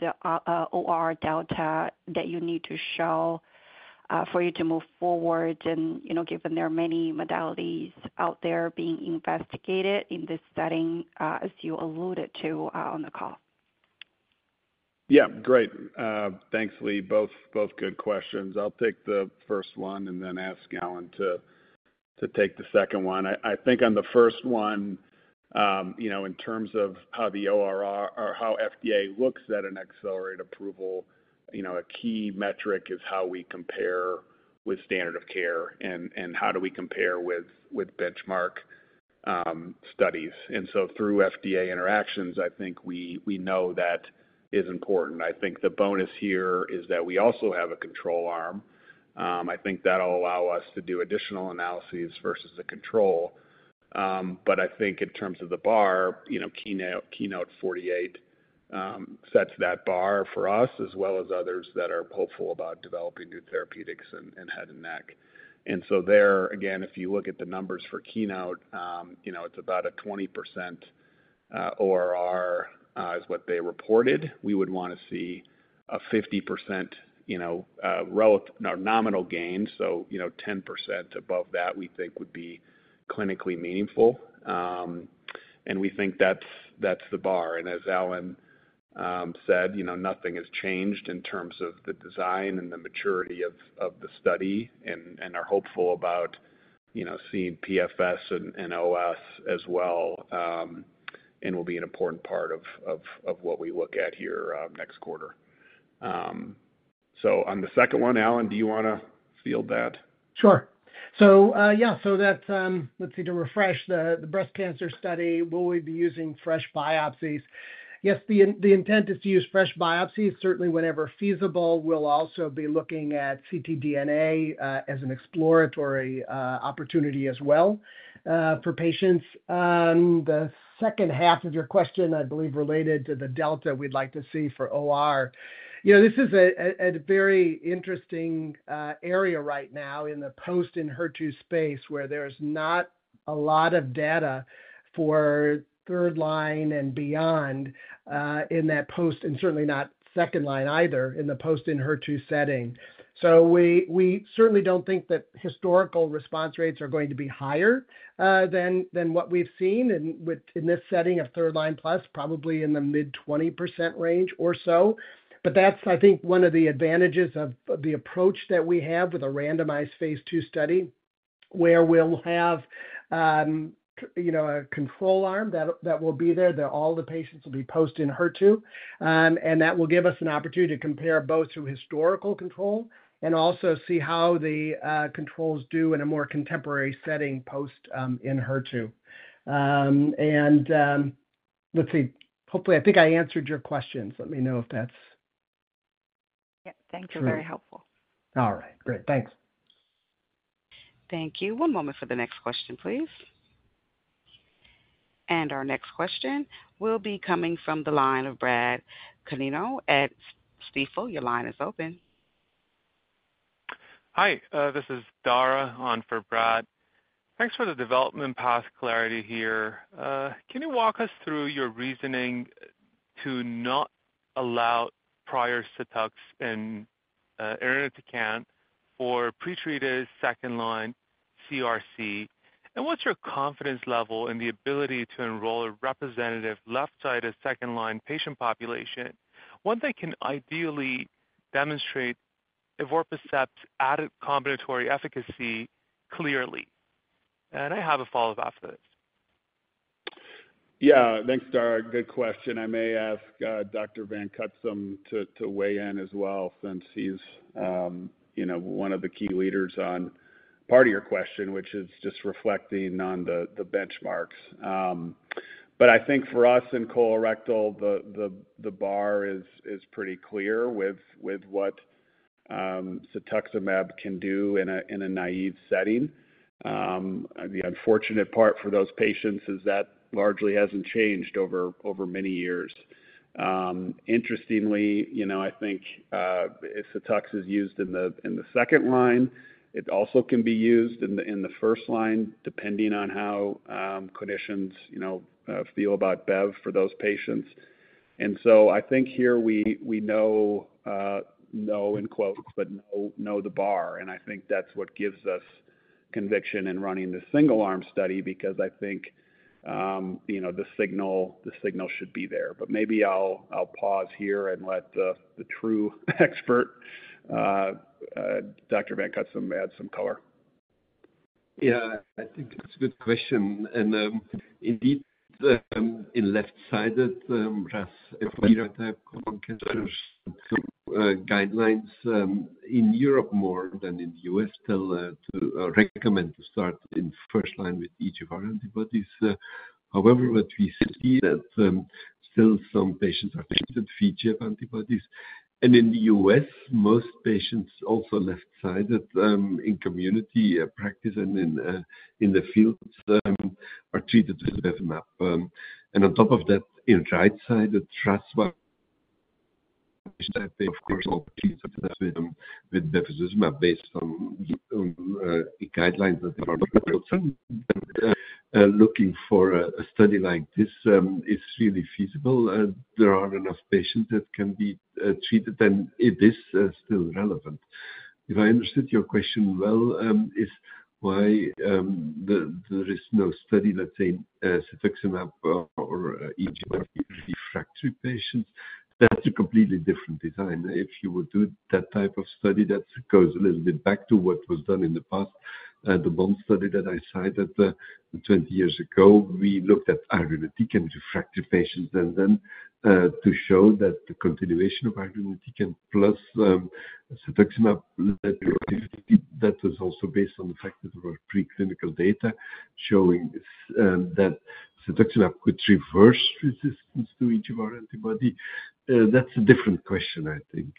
Speaker 10: the ORR delta that you need to show for you to move forward, given there are many modalities out there being investigated in this setting, as you alluded to on the call.
Speaker 2: Yeah, great. Thanks, Lee. Both good questions. I'll take the first one and then ask Alan to take the second one. I think on the first one, in terms of how the ORR or how FDA looks at an accelerated approval, a key metric is how we compare with standard of care and how do we compare with benchmark studies. Through FDA interactions, I think we know that is important. I think the bonus here is that we also have a control arm. I think that'll allow us to do additional analyses versus the control. I think in terms of the bar, Keynote 48 sets that bar for us, as well as others that are hopeful about developing new therapeutics in head and neck. If you look at the numbers for Keynote, it's about a 20% ORR is what they reported. We would want to see a 50% nominal gain. So 10% above that, we think, would be clinically meaningful. We think that's the bar. As Alan said, nothing has changed in terms of the design and the maturity of the study and are hopeful about seeing PFS and OS as well and will be an important part of what we look at here next quarter. On the second one, Alan, do you want to field that?
Speaker 4: Sure. Yeah, let's see. To refresh the breast cancer study, will we be using fresh biopsies? Yes, the intent is to use fresh biopsies. Certainly, whenever feasible, we'll also be looking at ctDNA as an exploratory opportunity as well for patients. The second half of your question, I believe, related to the delta we'd like to see for OR. This is a very interesting area right now in the post-Enhertu space where there's not a lot of data for third line and beyond in that post, and certainly not second line either in the post-Enhertu setting. We certainly don't think that historical response rates are going to be higher than what we've seen in this setting of third line plus, probably in the mid-20% range or so. That's, I think, one of the advantages of the approach that we have with a randomized phase two study where we'll have a control arm that will be there. All the patients will be post-Enhertu. That will give us an opportunity to compare both to historical control and also see how the controls do in a more contemporary setting post-inheritance. Let's see. Hopefully, I think I answered your questions. Let me know if that's sure. Yep.
Speaker 10: Thank you. Very helpful.
Speaker 4: All right. Great. Thanks.
Speaker 1: Thank you. One moment for the next question, please. Our next question will be coming from the line of Brad Canino at Stifel. Your line is open.
Speaker 11: Hi. This is Dara on for Brad. Thanks for the development path clarity here. Can you walk us through your reasoning to not allow prior setups in irinotecan for pretreated second line CRC? What's your confidence level in the ability to enroll a representative left-sided second line patient population when they can ideally demonstrate ivermectin added combinatory efficacy clearly? I have a follow-up after this.
Speaker 2: Yeah. Thanks, Dara. Good question. I may ask Dr. Van Cutsem to weigh in as well since he's one of the key leaders on part of your question, which is just reflecting on the benchmarks. I think for us in colorectal, the bar is pretty clear with what cetuximab can do in a naive setting. The unfortunate part for those patients is that largely hasn't changed over many years. Interestingly, I think if cetux is used in the second line, it also can be used in the first line, depending on how clinicians feel about BEV for those patients. I think here we know "know" in quotes, but know the bar. I think that's what gives us conviction in running the single-arm study because I think the signal should be there. Maybe I'll pause here and let the true expert, Dr. Van Cutsem, add some color. Yeah.
Speaker 6: I think it's a good question. Indeed, in left-sided, based on irinotecan guidelines in Europe more than in the U.S., still to recommend to start in first line with EGFR antibodies. However, what we see is that still some patients are treated with VEGF antibodies. In the U.S., most patients, also left-sided, in community practice and in the field are treated with bevacizumab. On top of that, in right-sided, of course, all patients are treated with bevacizumab based on guidelines. Looking for a study like this is really feasible. There are enough patients that can be treated, and it is still relevant. If I understood your question well, it is why there is no study, let's say, cetuximab or EGFR refractory patients? That's a completely different design. If you would do that type of study, that goes a little bit back to what was done in the past, the bone study that I cited 20 years ago. We looked at irinotecan refractory patients and then to show that the continuation of irinotecan plus cetuximab, that was also based on the fact that there were preclinical data showing that cetuximab could reverse resistance to each of our antibody. That's a different question, I think.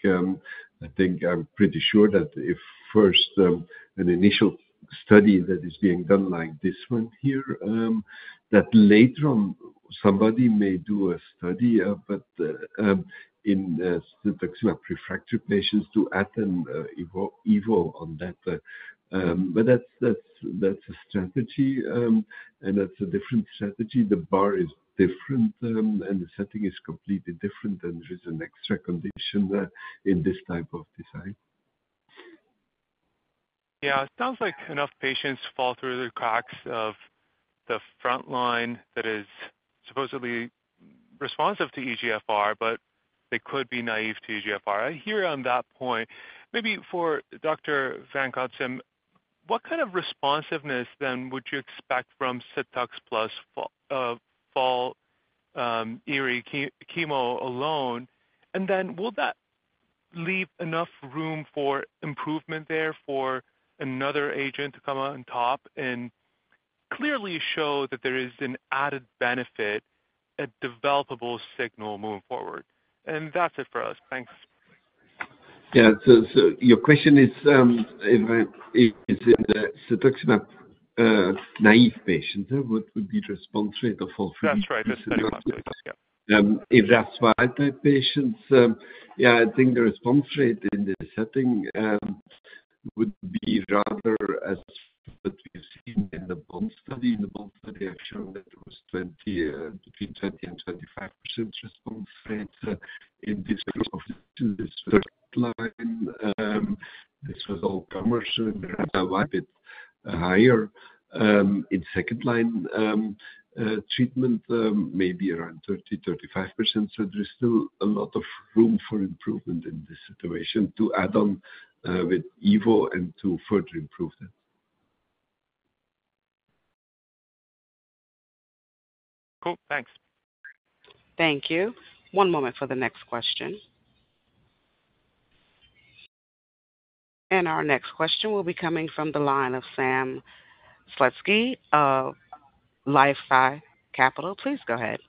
Speaker 6: I think I'm pretty sure that if first an initial study that is being done like this one here, that later on somebody may do a study, but in cetuximab refractory patients to add an EVO on that. That's a strategy, and that's a different strategy. The bar is different, and the setting is completely different, and there is an extra condition in this type of design.
Speaker 11: Yeah. It sounds like enough patients fall through the cracks of the front line that is supposedly responsive to EGFR, but they could be naive to EGFR. I hear on that point. Maybe for Dr. Van Cutsem, what kind of responsiveness then would you expect from cetux plus FOLFIRI chemo alone? Will that leave enough room for improvement there for another agent to come on top and clearly show that there is an added benefit, a developable signal moving forward? That's it for us. Thanks.
Speaker 6: Yeah. Your question is, if it's in the cetuximab naive patients, what would be the response rate of all three? That's right. That's pretty much it. Yeah. If that's wild-type patients, I think the response rate in this setting would be rather as what we've seen in the BOND study. In the bone study, I've shown that it was between 20% and 25% response rate in this group of patients in this first line. This was all commercial. It's a bit higher. In second-line treatment, maybe around 30%-35%. There's still a lot of room for improvement in this situation to add on with EVO and to further improve that.
Speaker 11: Cool. Thanks.
Speaker 1: Thank you. One moment for the next question. Our next question will be coming from the line of Sam Slutsky of LifeSci Capital. Please go ahead.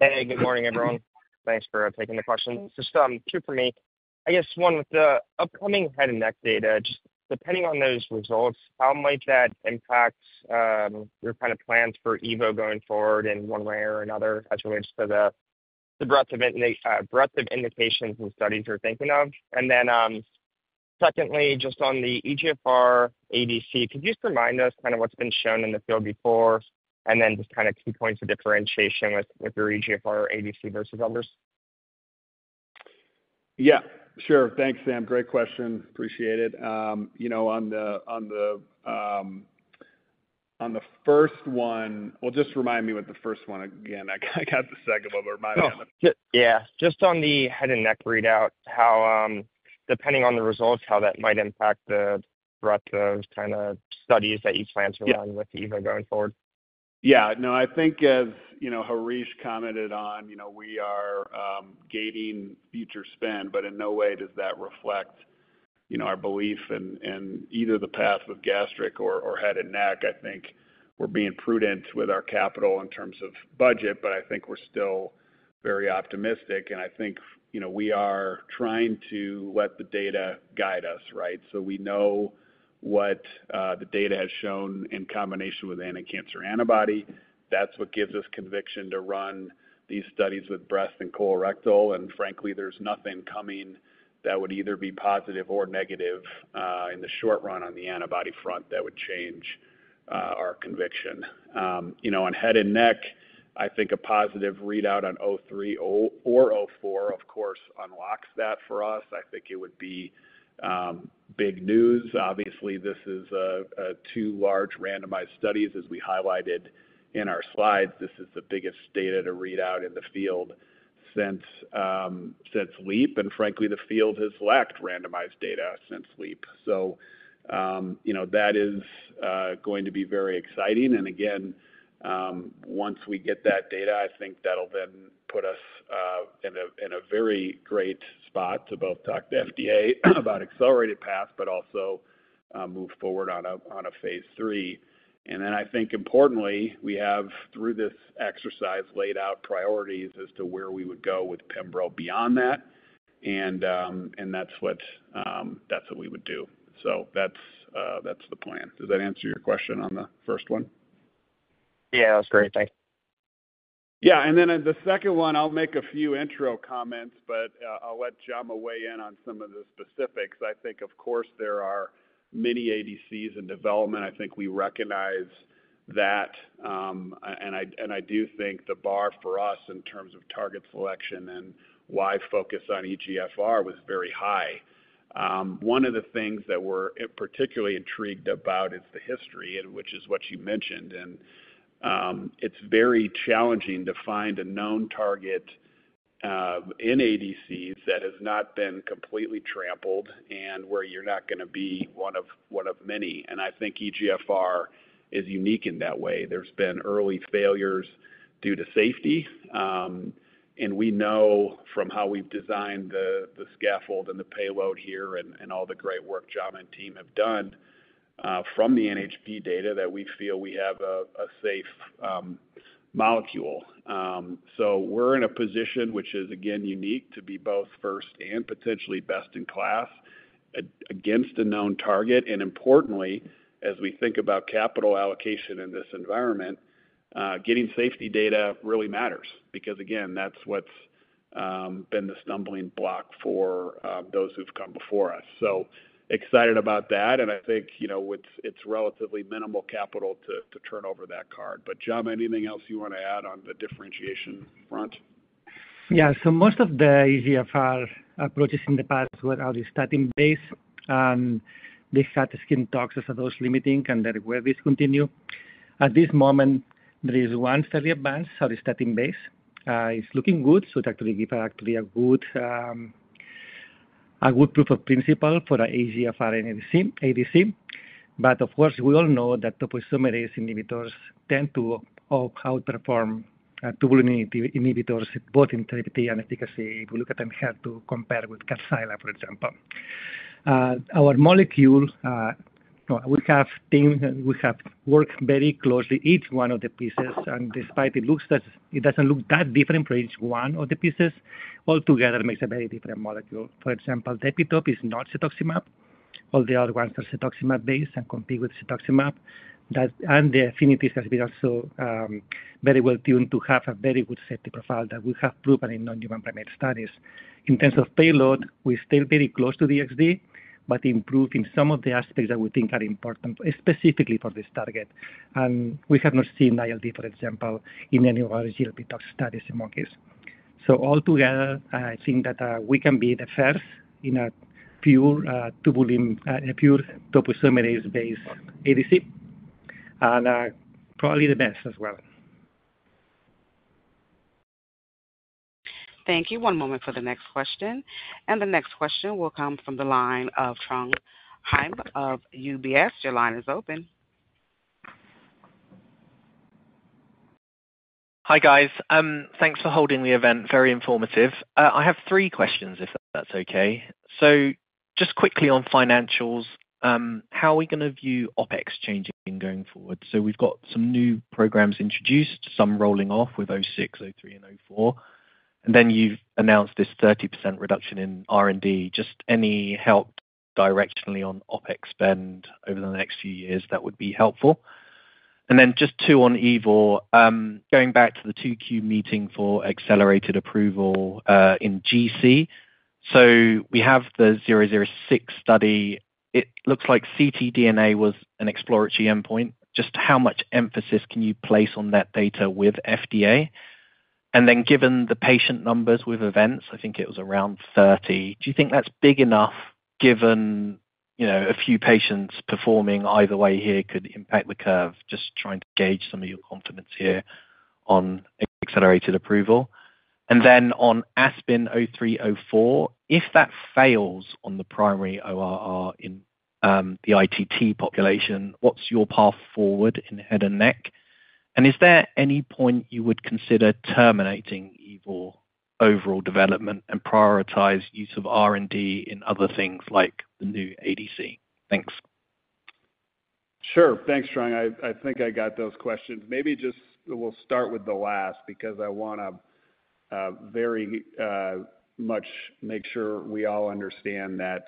Speaker 12: Hey. Good morning, everyone. Thanks for taking the question. Just two for me. I guess one with the upcoming head and neck data, just depending on those results, how might that impact your kind of plans for EVO going forward in one way or another as relates to the breadth of indications and studies you're thinking of? Then secondly, just on the EGFR ADC, could you just remind us kind of what's been shown in the field before? And then just kind of key points of differentiation with your EGFR or ADC versus others?
Speaker 2: Yeah. Sure. Thanks, Sam. Great question. Appreciate it. On the first one, just remind me what the first one again. I got the second one. Remind me. Yeah. Just on the head and neck readout, depending on the results, how that might impact the breadth of kind of studies that you plan to run with EVO going forward. Yeah. No, I think as Harish commented on, we are gating future spend, but in no way does that reflect our belief in either the path of gastric or head and neck. I think we're being prudent with our capital in terms of budget, but I think we're still very optimistic. I think we are trying to let the data guide us, right? We know what the data has shown in combination with anticancer antibody. That is what gives us conviction to run these studies with breast and colorectal. Frankly, there is nothing coming that would either be positive or negative in the short run on the antibody front that would change our conviction. On head and neck, I think a positive readout on O3 or O4, of course, unlocks that for us. I think it would be big news. Obviously, this is two large randomized studies, as we highlighted in our slides. This is the biggest data to read out in the field since LEAP. Frankly, the field has lacked randomized data since LEAP. That is going to be very exciting. Once we get that data, I think that'll then put us in a very great spot to both talk to FDA about accelerated path, but also move forward on a phase three. I think importantly, we have, through this exercise, laid out priorities as to where we would go with Pembroke beyond that. That's what we would do. That's the plan. Does that answer your question on the first one?
Speaker 12: Yeah. That's great. Thanks.
Speaker 2: Yeah. The second one, I'll make a few intro comments, but I'll let Jaume weigh in on some of the specifics. I think, of course, there are many ADCs in development. I think we recognize that. I do think the bar for us in terms of target selection and why focus on EGFR was very high. One of the things that we're particularly intrigued about is the history, which is what you mentioned. It is very challenging to find a known target in ADCs that has not been completely trampled and where you're not going to be one of many. I think EGFR is unique in that way. There have been early failures due to safety. We know from how we've designed the scaffold and the payload here and all the great work Jaume and team have done from the NHP data that we feel we have a safe molecule. We are in a position, which is, again, unique to be both first and potentially best in class against a known target. Importantly, as we think about capital allocation in this environment, getting safety data really matters because, again, that is what has been the stumbling block for those who have come before us. Excited about that. I think it's relatively minimal capital to turn over that card. Jaume, anything else you want to add on the differentiation front?
Speaker 3: Yeah. Most of the EGFR approaches in the past were early-starting base. They had skin toxins that are dose limiting and that were discontinued. At this moment, there is one study advanced, early-starting base. It's looking good. It actually gives us a good proof of principle for EGFR and ADC. Of course, we all know that topoisomerase inhibitors tend to outperform tubulin inhibitors both in therapy and efficacy. If you look at them compared to, compare with carcilla, for example. Our molecule, we have worked very closely, each one of the pieces. Despite it looks that it doesn't look that different for each one of the pieces, altogether makes a very different molecule. For example, Depitop is not cetuximab. All the other ones are cetuximab-based and compete with cetuximab. The affinity has been also very well tuned to have a very good safety profile that we have proven in non-human primate studies. In terms of payload, we're still very close to DXD, but improving some of the aspects that we think are important specifically for this target. We have not seen ILD, for example, in any of our GLP tox studies in monkeys. Altogether, I think that we can be the first in a pure topo summary-based ADC and probably the best as well.
Speaker 1: Thank you. One moment for the next question. The next question will come from the line of Trang Han of UBS. Your line is open.
Speaker 13: Hi guys. Thanks for holding the event. Very informative. I have three questions, if that's okay. Just quickly on financials, how are we going to view OpEx changing going forward? We've got some new programs introduced, some rolling off with 06, 03, and 04. You announced this 30% reduction in R&D. Any help directionally on OpEx spend over the next few years, that would be helpful. Then just two on EVO. Going back to the 2Q meeting for accelerated approval in GC. We have the 006 study. It looks like ctDNA was an exploratory endpoint. How much emphasis can you place on that data with FDA? Given the patient numbers with events, I think it was around 30. Do you think that's big enough given a few patients performing either way here could impact the curve? Just trying to gauge some of your compliments here on accelerated approval. Then on Aspen-03/04, if that fails on the primary ORR in the ITT population, what's your path forward in head and neck? Is there any point you would consider terminating EVO overall development and prioritize use of R&D in other things like the new ADC? Thanks.
Speaker 2: Sure. Thanks, Trang. I think I got those questions. Maybe just we'll start with the last because I want to very much make sure we all understand that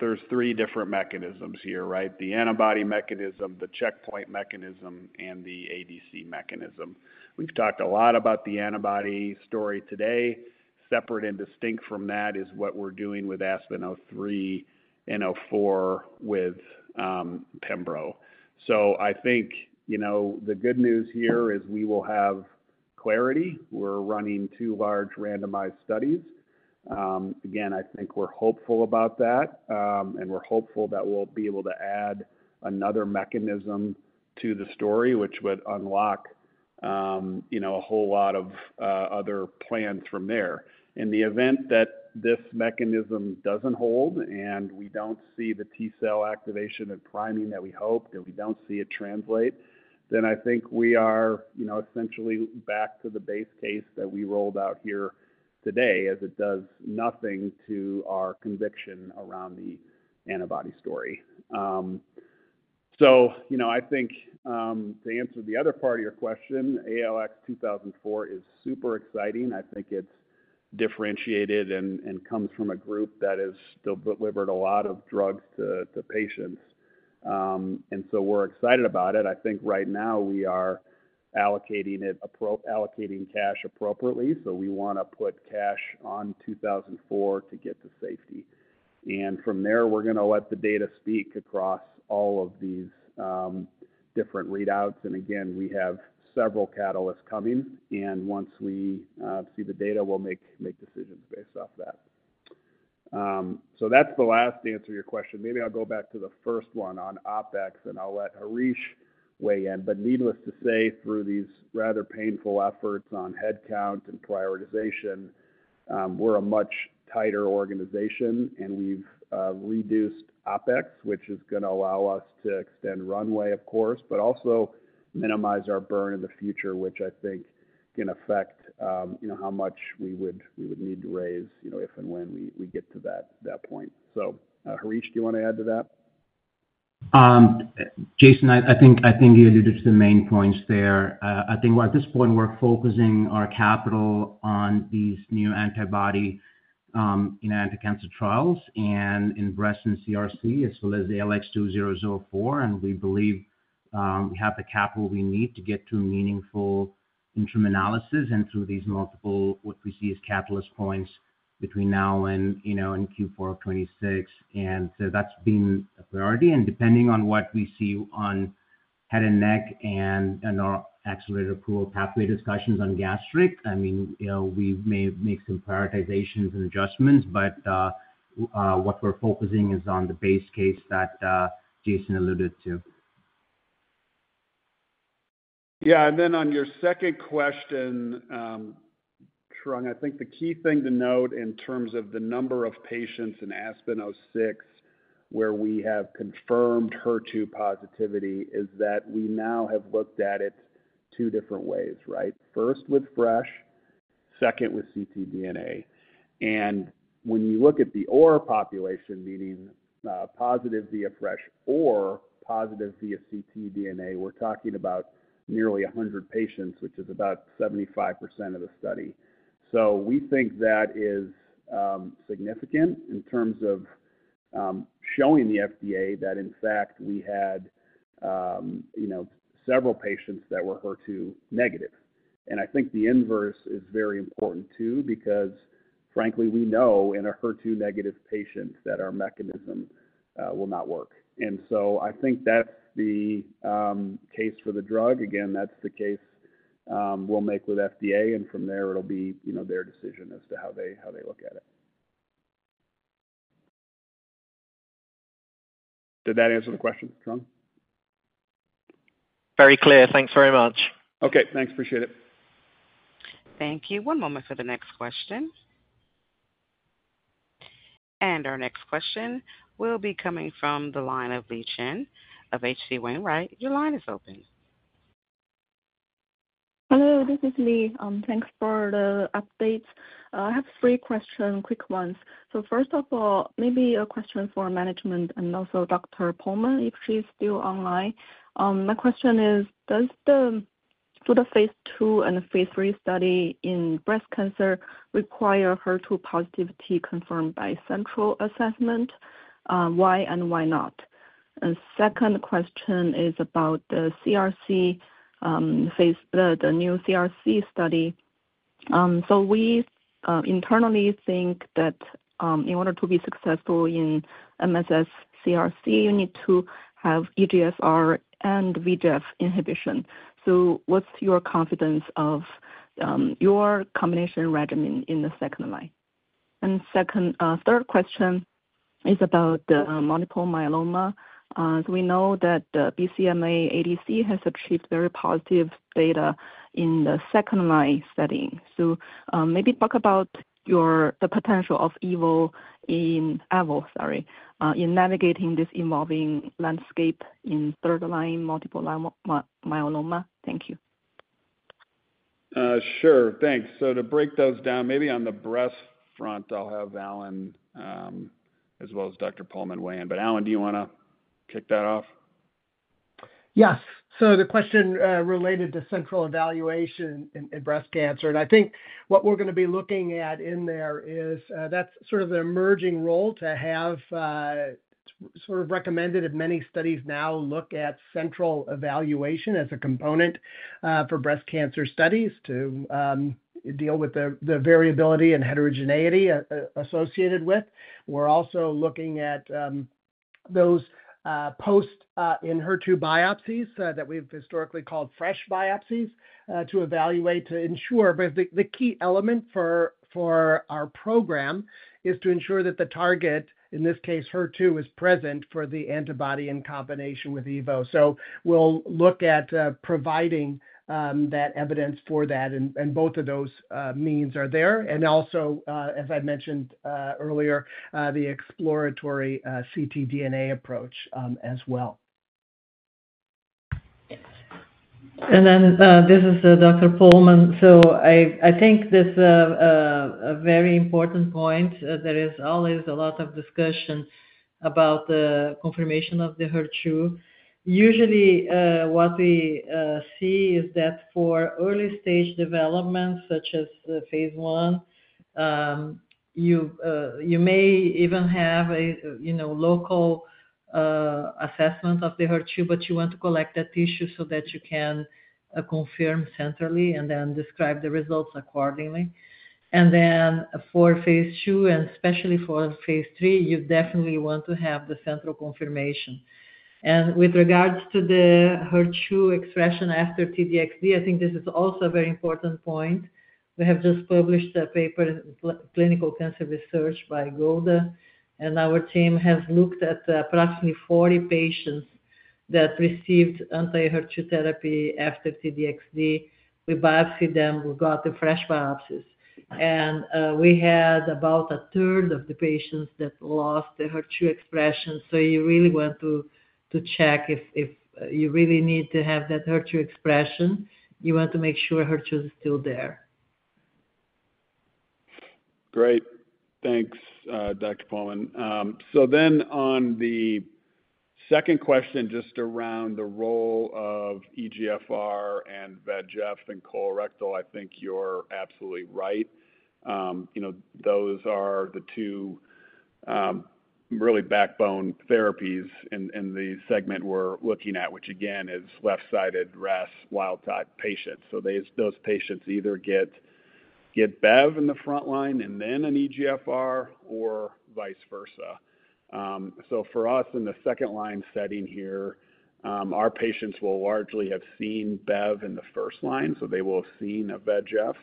Speaker 2: there's three different mechanisms here, right? The antibody mechanism, the checkpoint mechanism, and the ADC mechanism. We've talked a lot about the antibody story today. Separate and distinct from that is what we're doing with Aspen-03 and -04 with Pembroke. I think the good news here is we will have clarity. We're running two large randomized studies. Again, I think we're hopeful about that. We're hopeful that we'll be able to add another mechanism to the story, which would unlock a whole lot of other plans from there. In the event that this mechanism doesn't hold and we don't see the T cell activation and priming that we hoped, and we don't see it translate, I think we are essentially back to the base case that we rolled out here today, as it does nothing to our conviction around the antibody story. I think to answer the other part of your question, ALX 2004 is super exciting. I think it's differentiated and comes from a group that has delivered a lot of drugs to patients. We're excited about it. I think right now we are allocating cash appropriately. We want to put cash on 2004 to get to safety. From there, we're going to let the data speak across all of these different readouts. We have several catalysts coming. Once we see the data, we'll make decisions based off that. That's the last answer to your question. Maybe I'll go back to the first one on OpEx, and I'll let Harish weigh in. Needless to say, through these rather painful efforts on headcount and prioritization, we're a much tighter organization, and we've reduced OpEx, which is going to allow us to extend runway, of course, but also minimize our burn in the future, which I think can affect how much we would need to raise if and when we get to that point. Harish, do you want to add to that?
Speaker 8: Jason, I think you alluded to the main points there. I think at this point, we're focusing our capital on these new antibody in anti-cancer trials and in breast and CRC as well as ALX 2004. We believe we have the capital we need to get to meaningful interim analysis and through these multiple what we see as catalyst points between now and Q4 of 2026. That has been a priority. Depending on what we see on head and neck and our accelerated approval pathway discussions on gastric, I mean, we may make some prioritizations and adjustments, but what we're focusing is on the base case that Jason alluded to.
Speaker 2: Yeah. On your second question, Trang, I think the key thing to note in terms of the number of patients in Aspen-06 where we have confirmed HER2 positivity is that we now have looked at it two different ways, right? First with FRESH, second with ctDNA. When you look at the ORR population, meaning positive via FRESH or positive via ctDNA, we're talking about nearly 100 patients, which is about 75% of the study. We think that is significant in terms of showing the FDA that, in fact, we had several patients that were HER2 negative. I think the inverse is very important too because, frankly, we know in a HER2 negative patient that our mechanism will not work. I think that's the case for the drug. Again, that's the case we'll make with FDA. From there, it'll be their decision as to how they look at it. Did that answer the question, Trang?
Speaker 13: Very clear. Thanks very much.
Speaker 2: Okay. Thanks. Appreciate it.
Speaker 1: Thank you. One moment for the next question. Our next question will be coming from the line of Li Chen of H.C. Wainwright. Your line is open.
Speaker 14: Hello. This is Li. Thanks for the update. I have three questions, quick ones. First of all, maybe a question for management and also Dr. Pohlmann, if she's still online. My question is, do the phase two and phase three study in breast cancer require HER2 positivity confirmed by central assessment? Why and why not? Second question is about the CRC, the new CRC study. We internally think that in order to be successful in MSS CRC, you need to have EGFR and VEGF inhibition. What's your confidence of your combination regimen in the second line? Third question is about the multiple myeloma. We know that the BCMA ADC has achieved very positive data in the second line setting. Maybe talk about the potential of EVO in AVO, sorry, in navigating this evolving landscape in third line, multiple myeloma. Thank you.
Speaker 2: Sure. Thanks. To break those down, maybe on the breast front, I'll have Alan as well as Dr. Pohlmann and Wayne. Alan, do you want to kick that off?
Speaker 4: Yes. The question related to central evaluation in breast cancer. I think what we're going to be looking at in there is that's sort of an emerging role to have sort of recommended in many studies now look at central evaluation as a component for breast cancer studies to deal with the variability and heterogeneity associated with. We're also looking at those post-in-HER2 biopsies that we've historically called FRESH biopsies to evaluate to ensure. The key element for our program is to ensure that the target, in this case, HER2, is present for the antibody in combination with EVO. We will look at providing that evidence for that. Both of those means are there. Also, as I mentioned earlier, the exploratory ctDNA approach as well.
Speaker 5: This is Dr. Pohlmann. I think this is a very important point. There is always a lot of discussion about the confirmation of the HER2. Usually, what we see is that for early-stage developments such as phase one, you may even have a local assessment of the HER2, but you want to collect that tissue so that you can confirm centrally and then describe the results accordingly. For phase two, and especially for phase three, you definitely want to have the central confirmation. With regards to the HER2 expression after TDXD, I think this is also a very important point. We have just published a paper, Clinical Cancer Research by Golda. Our team has looked at approximately 40 patients that received anti-HER2 therapy after TDXD. We biopsied them. We got the fresh biopsies. We had about a third of the patients that lost the HER2 expression. You really want to check if you really need to have that HER2 expression. You want to make sure HER2 is still there.
Speaker 2: Great. Thanks, Dr. Pohlmann. On the second question, just around the role of EGFR and VEGF in colorectal, I think you're absolutely right. Those are the two really backbone therapies in the segment we're looking at, which again is left-sided RAS wild-type patients. Those patients either get BEV in the front line and then an EGFR or vice versa. For us in the second line setting here, our patients will largely have seen BEV in the first line. They will have seen a VEGF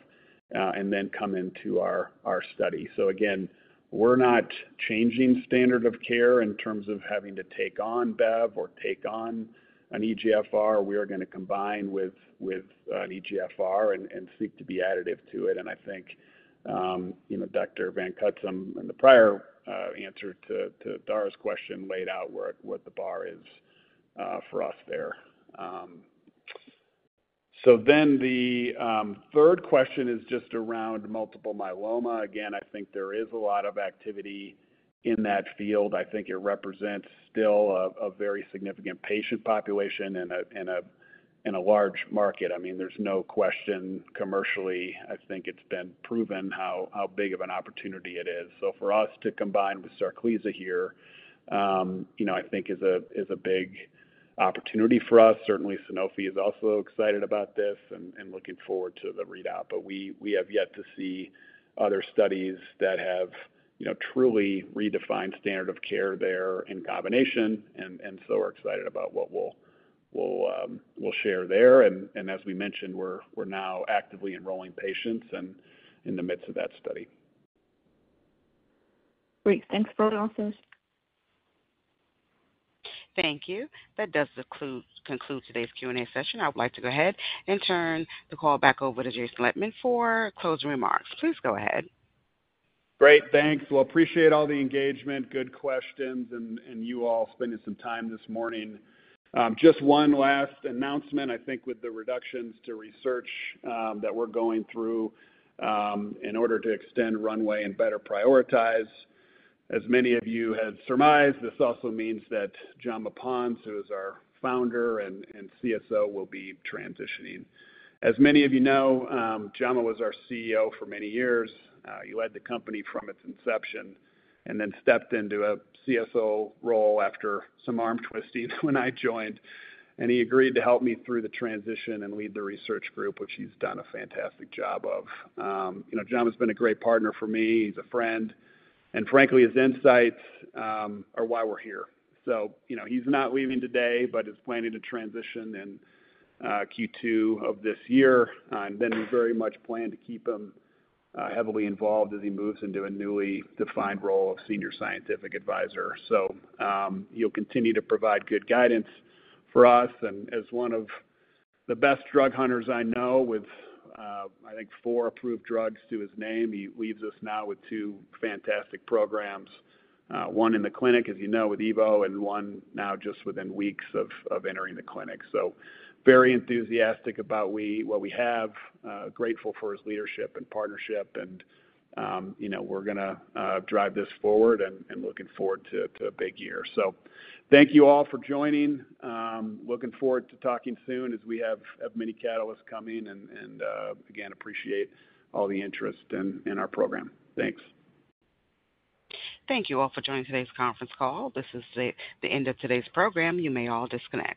Speaker 2: and then come into our study. We are not changing standard of care in terms of having to take on BEV or take on an EGFR. We are going to combine with an EGFR and seek to be additive to it. I think Dr. Van Cutsem in the prior answer to Dar's question laid out what the bar is for us there. The third question is just around multiple myeloma. I think there is a lot of activity in that field. I think it represents still a very significant patient population and a large market. I mean, there's no question commercially. I think it's been proven how big of an opportunity it is. For us to combine with Sarclisa here, I think is a big opportunity for us. Certainly, Sanofi is also excited about this and looking forward to the readout. We have yet to see other studies that have truly redefined standard of care there in combination. We are excited about what we'll share there. As we mentioned, we're now actively enrolling patients in the midst of that study.
Speaker 14: Great. Thanks, Britt Olsen.
Speaker 1: Thank you. That does conclude today's Q&A session. I would like to go ahead and turn the call back over to Jason Lettmann for closing remarks. Please go ahead.
Speaker 2: Great. Thanks. I appreciate all the engagement, good questions, and you all spending some time this morning. Just one last announcement, I think with the reductions to research that we're going through in order to extend runway and better prioritize. As many of you have surmised, this also means that Jaume Pons, who is our founder and CSO, will be transitioning. As many of you know, Jaume was our CEO for many years. He led the company from its inception and then stepped into a CSO role after some arm twisting when I joined. He agreed to help me through the transition and lead the research group, which he's done a fantastic job of. Jaume has been a great partner for me. He's a friend. Frankly, his insights are why we're here. He's not leaving today, but is planning to transition in Q2 of this year. We very much plan to keep him heavily involved as he moves into a newly defined role of senior scientific advisor. He'll continue to provide good guidance for us. As one of the best drug hunters I know, with, I think, four approved drugs to his name, he leaves us now with two fantastic programs, one in the clinic, as you know, with EVO, and one now just within weeks of entering the clinic. Very enthusiastic about what we have, grateful for his leadership and partnership. We're going to drive this forward and looking forward to a big year. Thank you all for joining. Looking forward to talking soon as we have many catalysts coming. Again, appreciate all the interest in our program. Thanks.
Speaker 1: Thank you all for joining today's conference call. This is the end of today's program. You may all disconnect.